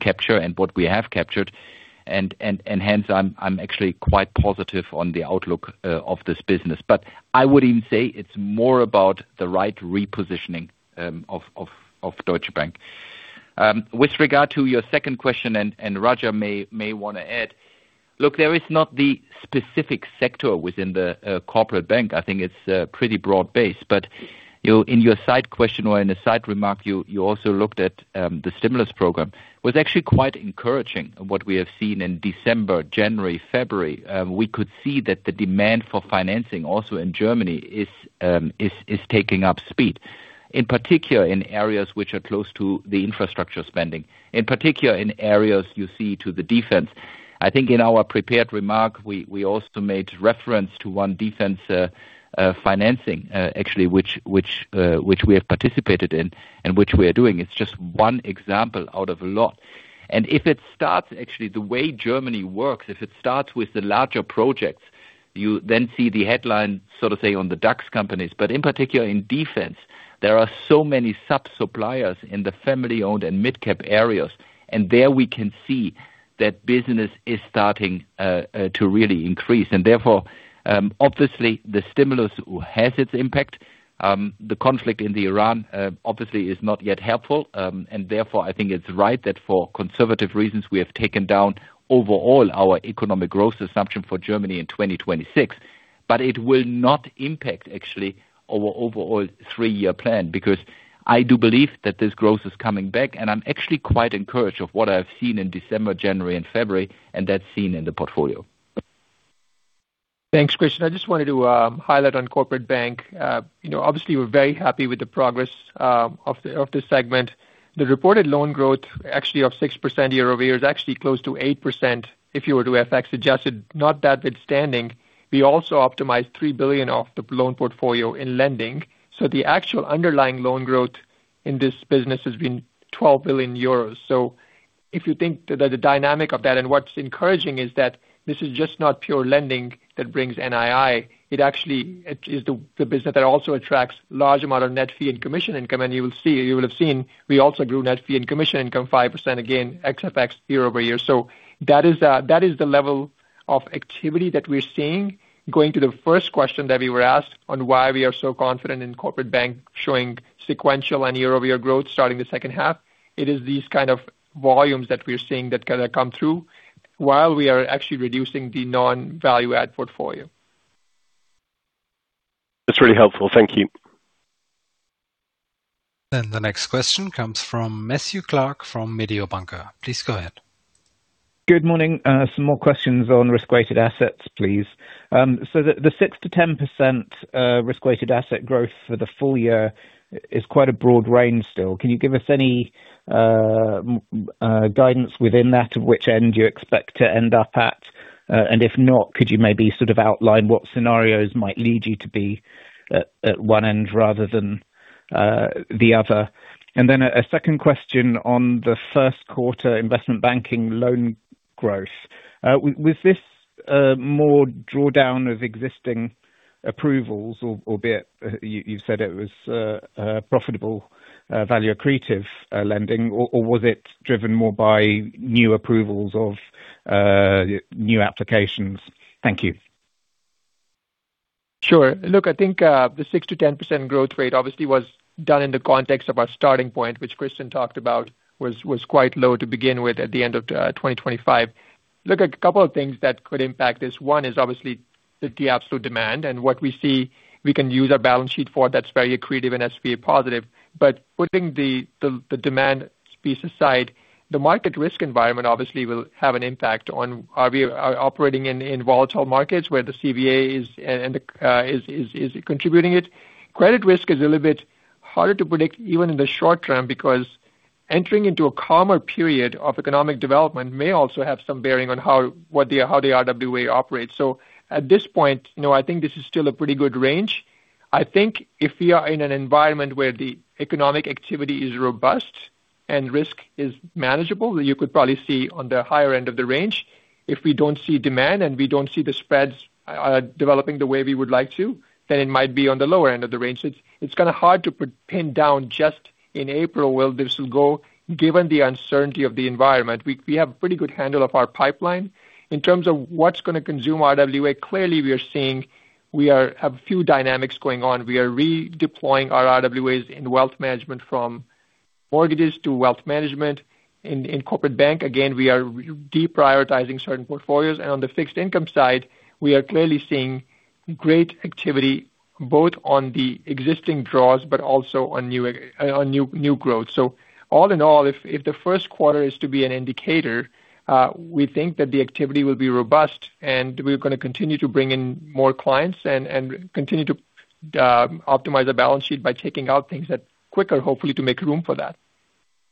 capture and what we have captured. Hence, I'm actually quite positive on the outlook of this business. I would even say it's more about the right repositioning of Deutsche Bank. With regard to your second question, and Raja may wanna add. Look, there is not the specific sector within the corporate bank. I think it's pretty broad-based. In your side question or in a side remark, you also looked at the stimulus program. It was actually quite encouraging what we have seen in December, January, February. We could see that the demand for financing also in Germany is taking up speed, in particular in areas which are close to the infrastructure spending. In particular in areas, you see to the defense. I think in our prepared remark, we also made reference to one defense financing actually, which we have participated in and which we are doing. It's just one example out of a lot. If it starts. Actually, the way Germany works, if it starts with the larger projects, you then see the headline, so to say, on the DAX companies. In particular in defense, there are so many sub-suppliers in the family-owned and mid-cap areas, and there we can see that business is starting to really increase. Therefore, obviously the stimulus has its impact. The conflict in Iran, obviously is not yet helpful. Therefore, I think it's right that for conservative reasons we have taken down overall our economic growth assumption for Germany in 2026. It will not impact actually our overall three-year plan, because I do believe that this growth is coming back, and I'm actually quite encouraged of what I've seen in December, January, and February, and that's seen in the portfolio. Thanks, Christian. I just wanted to highlight on Corporate Bank. You know, obviously we're very happy with the progress of this segment. The reported loan growth actually of 6% year-over-year is actually close to 8% if you were to FX adjust it. Notwithstanding, we also optimized 3 billion off the loan portfolio in lending. The actual underlying loan growth in this business has been 12 billion euros. If you think that the dynamic of that, and what's encouraging is that this is just not pure lending that brings NII. It is the business that also attracts large amount of net fee and commission income. You will have seen, we also grew net fee and commission income 5% again, ex FX, year-over-year. That is the level of activity that we're seeing. Going to the first question that we were asked on why we are so confident in corporate bank showing sequential and year-over-year growth starting the second half. It is these kind of volumes that we're seeing that kind of come through while we are actually reducing the non-value add portfolio. That's really helpful. Thank you. The next question comes from Matthew Clark from Mediobanca. Please go ahead. Good morning. Some more questions on risk-weighted assets, please. The 6%-10% risk-weighted asset growth for the full year is quite a broad range still. Can you give us any guidance within that of which end you expect to end up at? If not, could you maybe sort of outline what scenarios might lead you to be at one end rather than the other? Then a second question on the first quarter Investment Banking loan growth. Was this more drawdown of existing approvals or be it you said it was profitable, value accretive lending, or was it driven more by new approvals of new applications? Thank you. Sure. Look, I think, the 6%-10% growth rate obviously was done in the context of our starting point, which Christian talked about, was quite low to begin with at the end of 2025. Look, a couple of things that could impact this. One is obviously the absolute demand and what we see we can use our balance sheet for that's very accretive and SVA positive. Putting the demand piece aside, the market risk environment obviously will have an impact on are operating in volatile markets where the CVA is and is contributing it. Credit risk is a little bit harder to predict even in the short term because entering into a calmer period of economic development may also have some bearing on how the RWA operates. At this point, you know, I think this is still a pretty good range. I think if we are in an environment where the economic activity is robust and risk is manageable; you could probably see on the higher end of the range. If we don't see demand and we don't see the spreads developing the way we would like to, then it might be on the lower end of the range. It's, it's kind of hard to pin down just in April where this will go given the uncertainty of the environment. We have pretty good handle of our pipeline. In terms of what's going to consume RWA, clearly, we are seeing we have a few dynamics going on. We are redeploying our RWAs in wealth management from Mortgages to wealth management. In Corporate Bank, again, we are deprioritizing certain portfolios. On the fixed income side, we are clearly seeing great activity, both on the existing draws, but also on new growth. All in all, if the first quarter is to be an indicator, we think that the activity will be robust and we're gonna continue to bring in more clients and continue to optimize the balance sheet by taking out things that quicker, hopefully, to make room for that.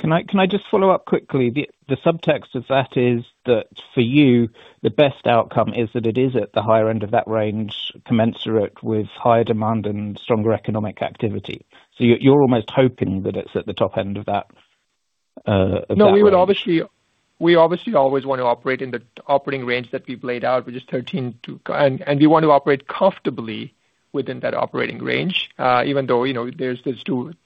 Can I just follow up quickly? The subtext of that is that for you, the best outcome is that it is at the higher end of that range, commensurate with higher demand and stronger economic activity. you're almost hoping that it's at the top end of that of that range. No, we obviously always wanna operate in the operating range that we've laid out, which is 13 to. We want to operate comfortably within that operating range, even though, you know, there's two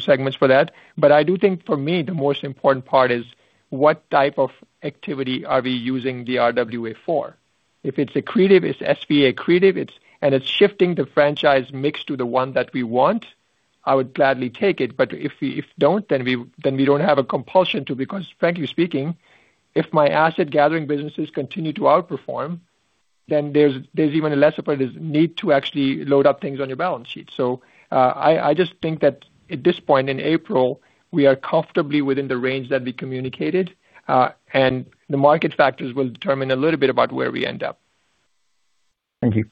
segments for that. I do think for me, the most important part is what type of activity are we using the RWA for. If it's accretive, it's SVA accretive, and it's shifting the franchise mix to the one that we want, I would gladly take it. If we don't, then we don't have a compulsion to, because frankly speaking, if my asset gathering businesses continue to outperform, then there's even a lesser point is need to actually load up things on your balance sheet. I just think that at this point in April, we are comfortably within the range that we communicated, and the market factors will determine a little bit about where we end up. Thank you.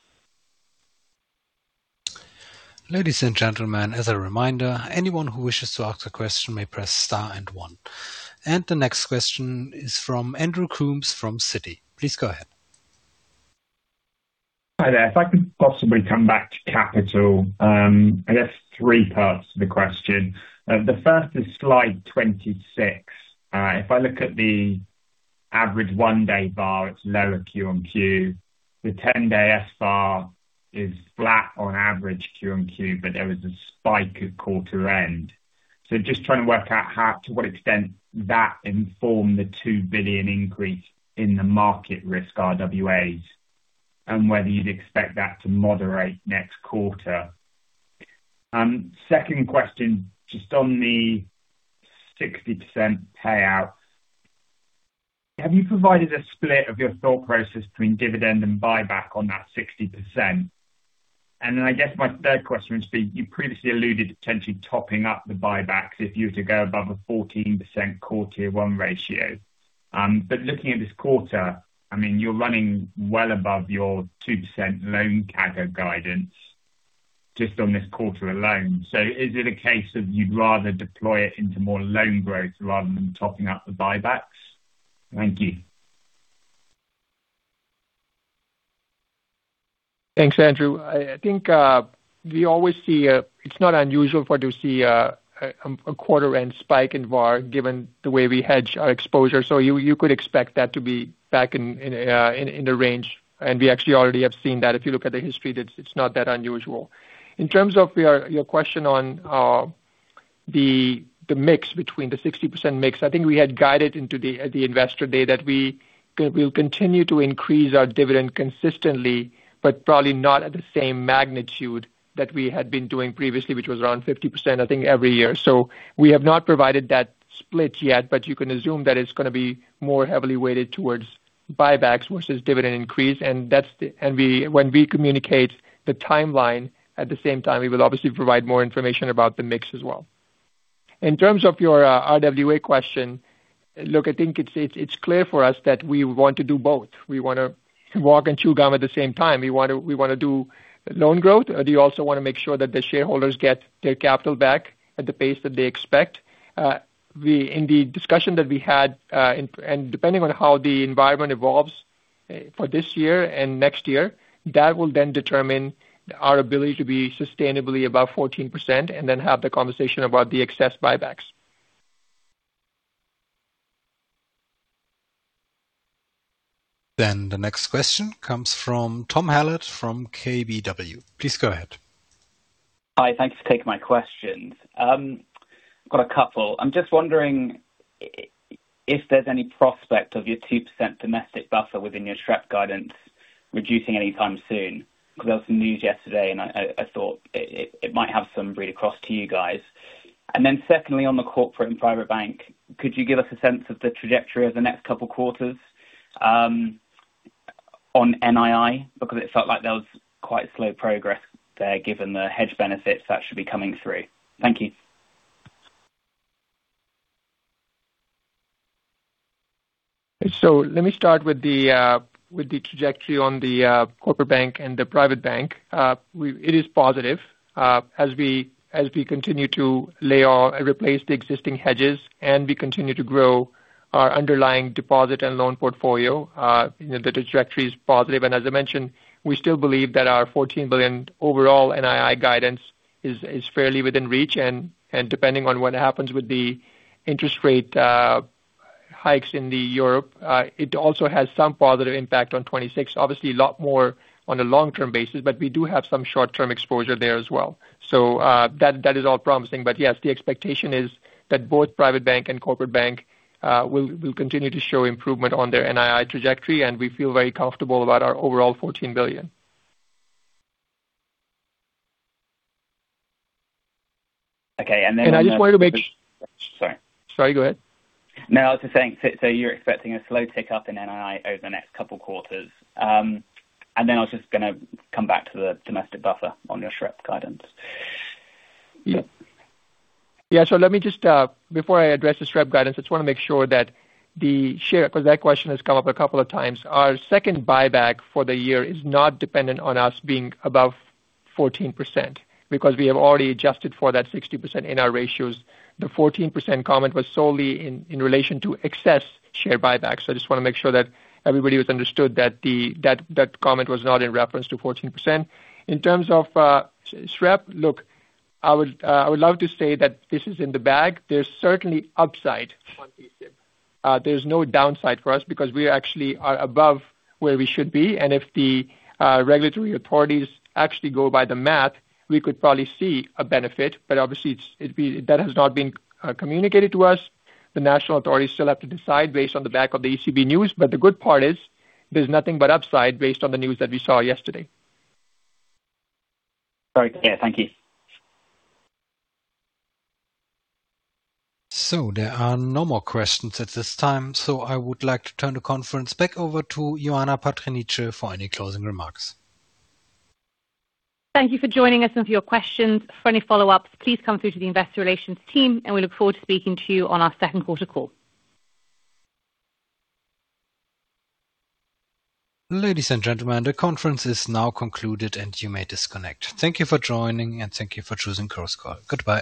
Ladies and gentlemen, as a reminder, anyone who wishes to ask a question may press star and one. The next question is from Andrew Coombs from Citi. Please go ahead. Hi there. If I could possibly come back to capital, I guess three parts to the question. The first is Slide 26. If I look at the average 1-day VaR, it's lower Q on Q. The 10-day VaR is flat on average Q on Q, there was a spike at quarter end. Just trying to work out to what extent that informed the 2 billion increase in the market risk RWAs, and whether you'd expect that to moderate next quarter. Second question, just on the 60% payout, have you provided a split of your thought process between dividend and buyback on that 60%? I guess my third question would be, you previously alluded to potentially topping up the buybacks if you were to go above a 14% CET1 ratio. Looking at this quarter, I mean, you're running well above your 2% loan CAGR guidance just on this quarter alone. Is it a case of you'd rather deploy it into more loan growth rather than topping up the buybacks? Thank you. Thanks, Andrew. I think we always see it's not unusual for to see a quarter end spike in VaR given the way we hedge our exposure. You could expect that to be back in the range. We actually already have seen that. If you look at the history, it's not that unusual. In terms of your question on the mix between the 60% mix, I think we had guided into the at the investor day that we'll continue to increase our dividend consistently, but probably not at the same magnitude that we had been doing previously, which was around 50%, I think, every year. We have not provided that split yet, but you can assume that it's gonna be more heavily weighted towards buybacks versus dividend increase. When we communicate the timeline, at the same time, we will obviously provide more information about the mix as well. In terms of your RWA question, look, I think it's clear for us that we want to do both. We wanna walk and chew gum at the same time. We wanna do loan growth, and we also wanna make sure that the shareholders get their capital back at the pace that they expect. In the discussion that we had, and depending on how the environment evolves, for this year and next year, that will then determine our ability to be sustainably above 14% and then have the conversation about the excess buybacks. The next question comes from Tom Hallett from KBW. Please go ahead. Hi, thanks for taking my questions. Got a couple. I'm just wondering if there's any prospect of your 2% domestic buffer within your SREP guidance reducing anytime soon, 'cause there was some news yesterday and I thought it might have some read across to you guys. Secondly, on the corporate and private bank, could you give us a sense of the trajectory of the next two quarters, on NII? Because it felt like there was quite slow progress there given the hedge benefits that should be coming through. Thank you. Let me start with the with the trajectory on the corporate bank and the private bank. It is positive as we, as we continue to lay off and replace the existing hedges, and we continue to grow our underlying deposit and loan portfolio. You know, the trajectory is positive. As I mentioned, we still believe that our EUR 14 billion overall NII guidance is fairly within reach. Depending on what happens with the interest rate hikes in Europe, it also has some positive impact on 2026. Obviously, a lot more on a long-term basis, but we do have some short-term exposure there as well. That, that is all promising. Yes, the expectation is that both private bank and corporate bank will continue to show improvement on their NII trajectory, and we feel very comfortable about our overall 14 billion. Okay. And I just wanted to make- Sorry. Sorry, go ahead. No, I was just saying, so you're expecting a slow tick up in NII over the next couple quarters. I was just gonna come back to the domestic buffer on your SREP guidance. Yeah. Yeah. Let me just, before I address the SREP guidance, I just wanna make sure that the share, 'cause that question has come up a couple of times. Our second buyback for the year is not dependent on us being above 14% because we have already adjusted for that 60% in our ratios. The 14% comment was solely in relation to excess share buybacks. I just wanna make sure that everybody has understood that that comment was not in reference to 14%. In terms of SREP, look, I would love to say that this is in the bag. There's certainly upside on this deal. There's no downside for us because we actually are above where we should be. If the regulatory authorities actually go by the math, we could probably see a benefit. Obviously, that has not been communicated to us. The national authorities still have to decide based on the back of the ECB news. The good part is, there's nothing but upside based on the news that we saw yesterday. Sorry. Yeah. Thank you. There are no more questions at this time, so I would like to turn the conference back over to Ioana Patriniche for any closing remarks. Thank you for joining us and for your questions. For any follow-ups, please come through to the Investor Relations team, and we look forward to speaking to you on our second quarter call. Ladies and gentlemen, the conference is now concluded, and you may disconnect. Thank you for joining and thank you for choosing Chorus Call. Goodbye.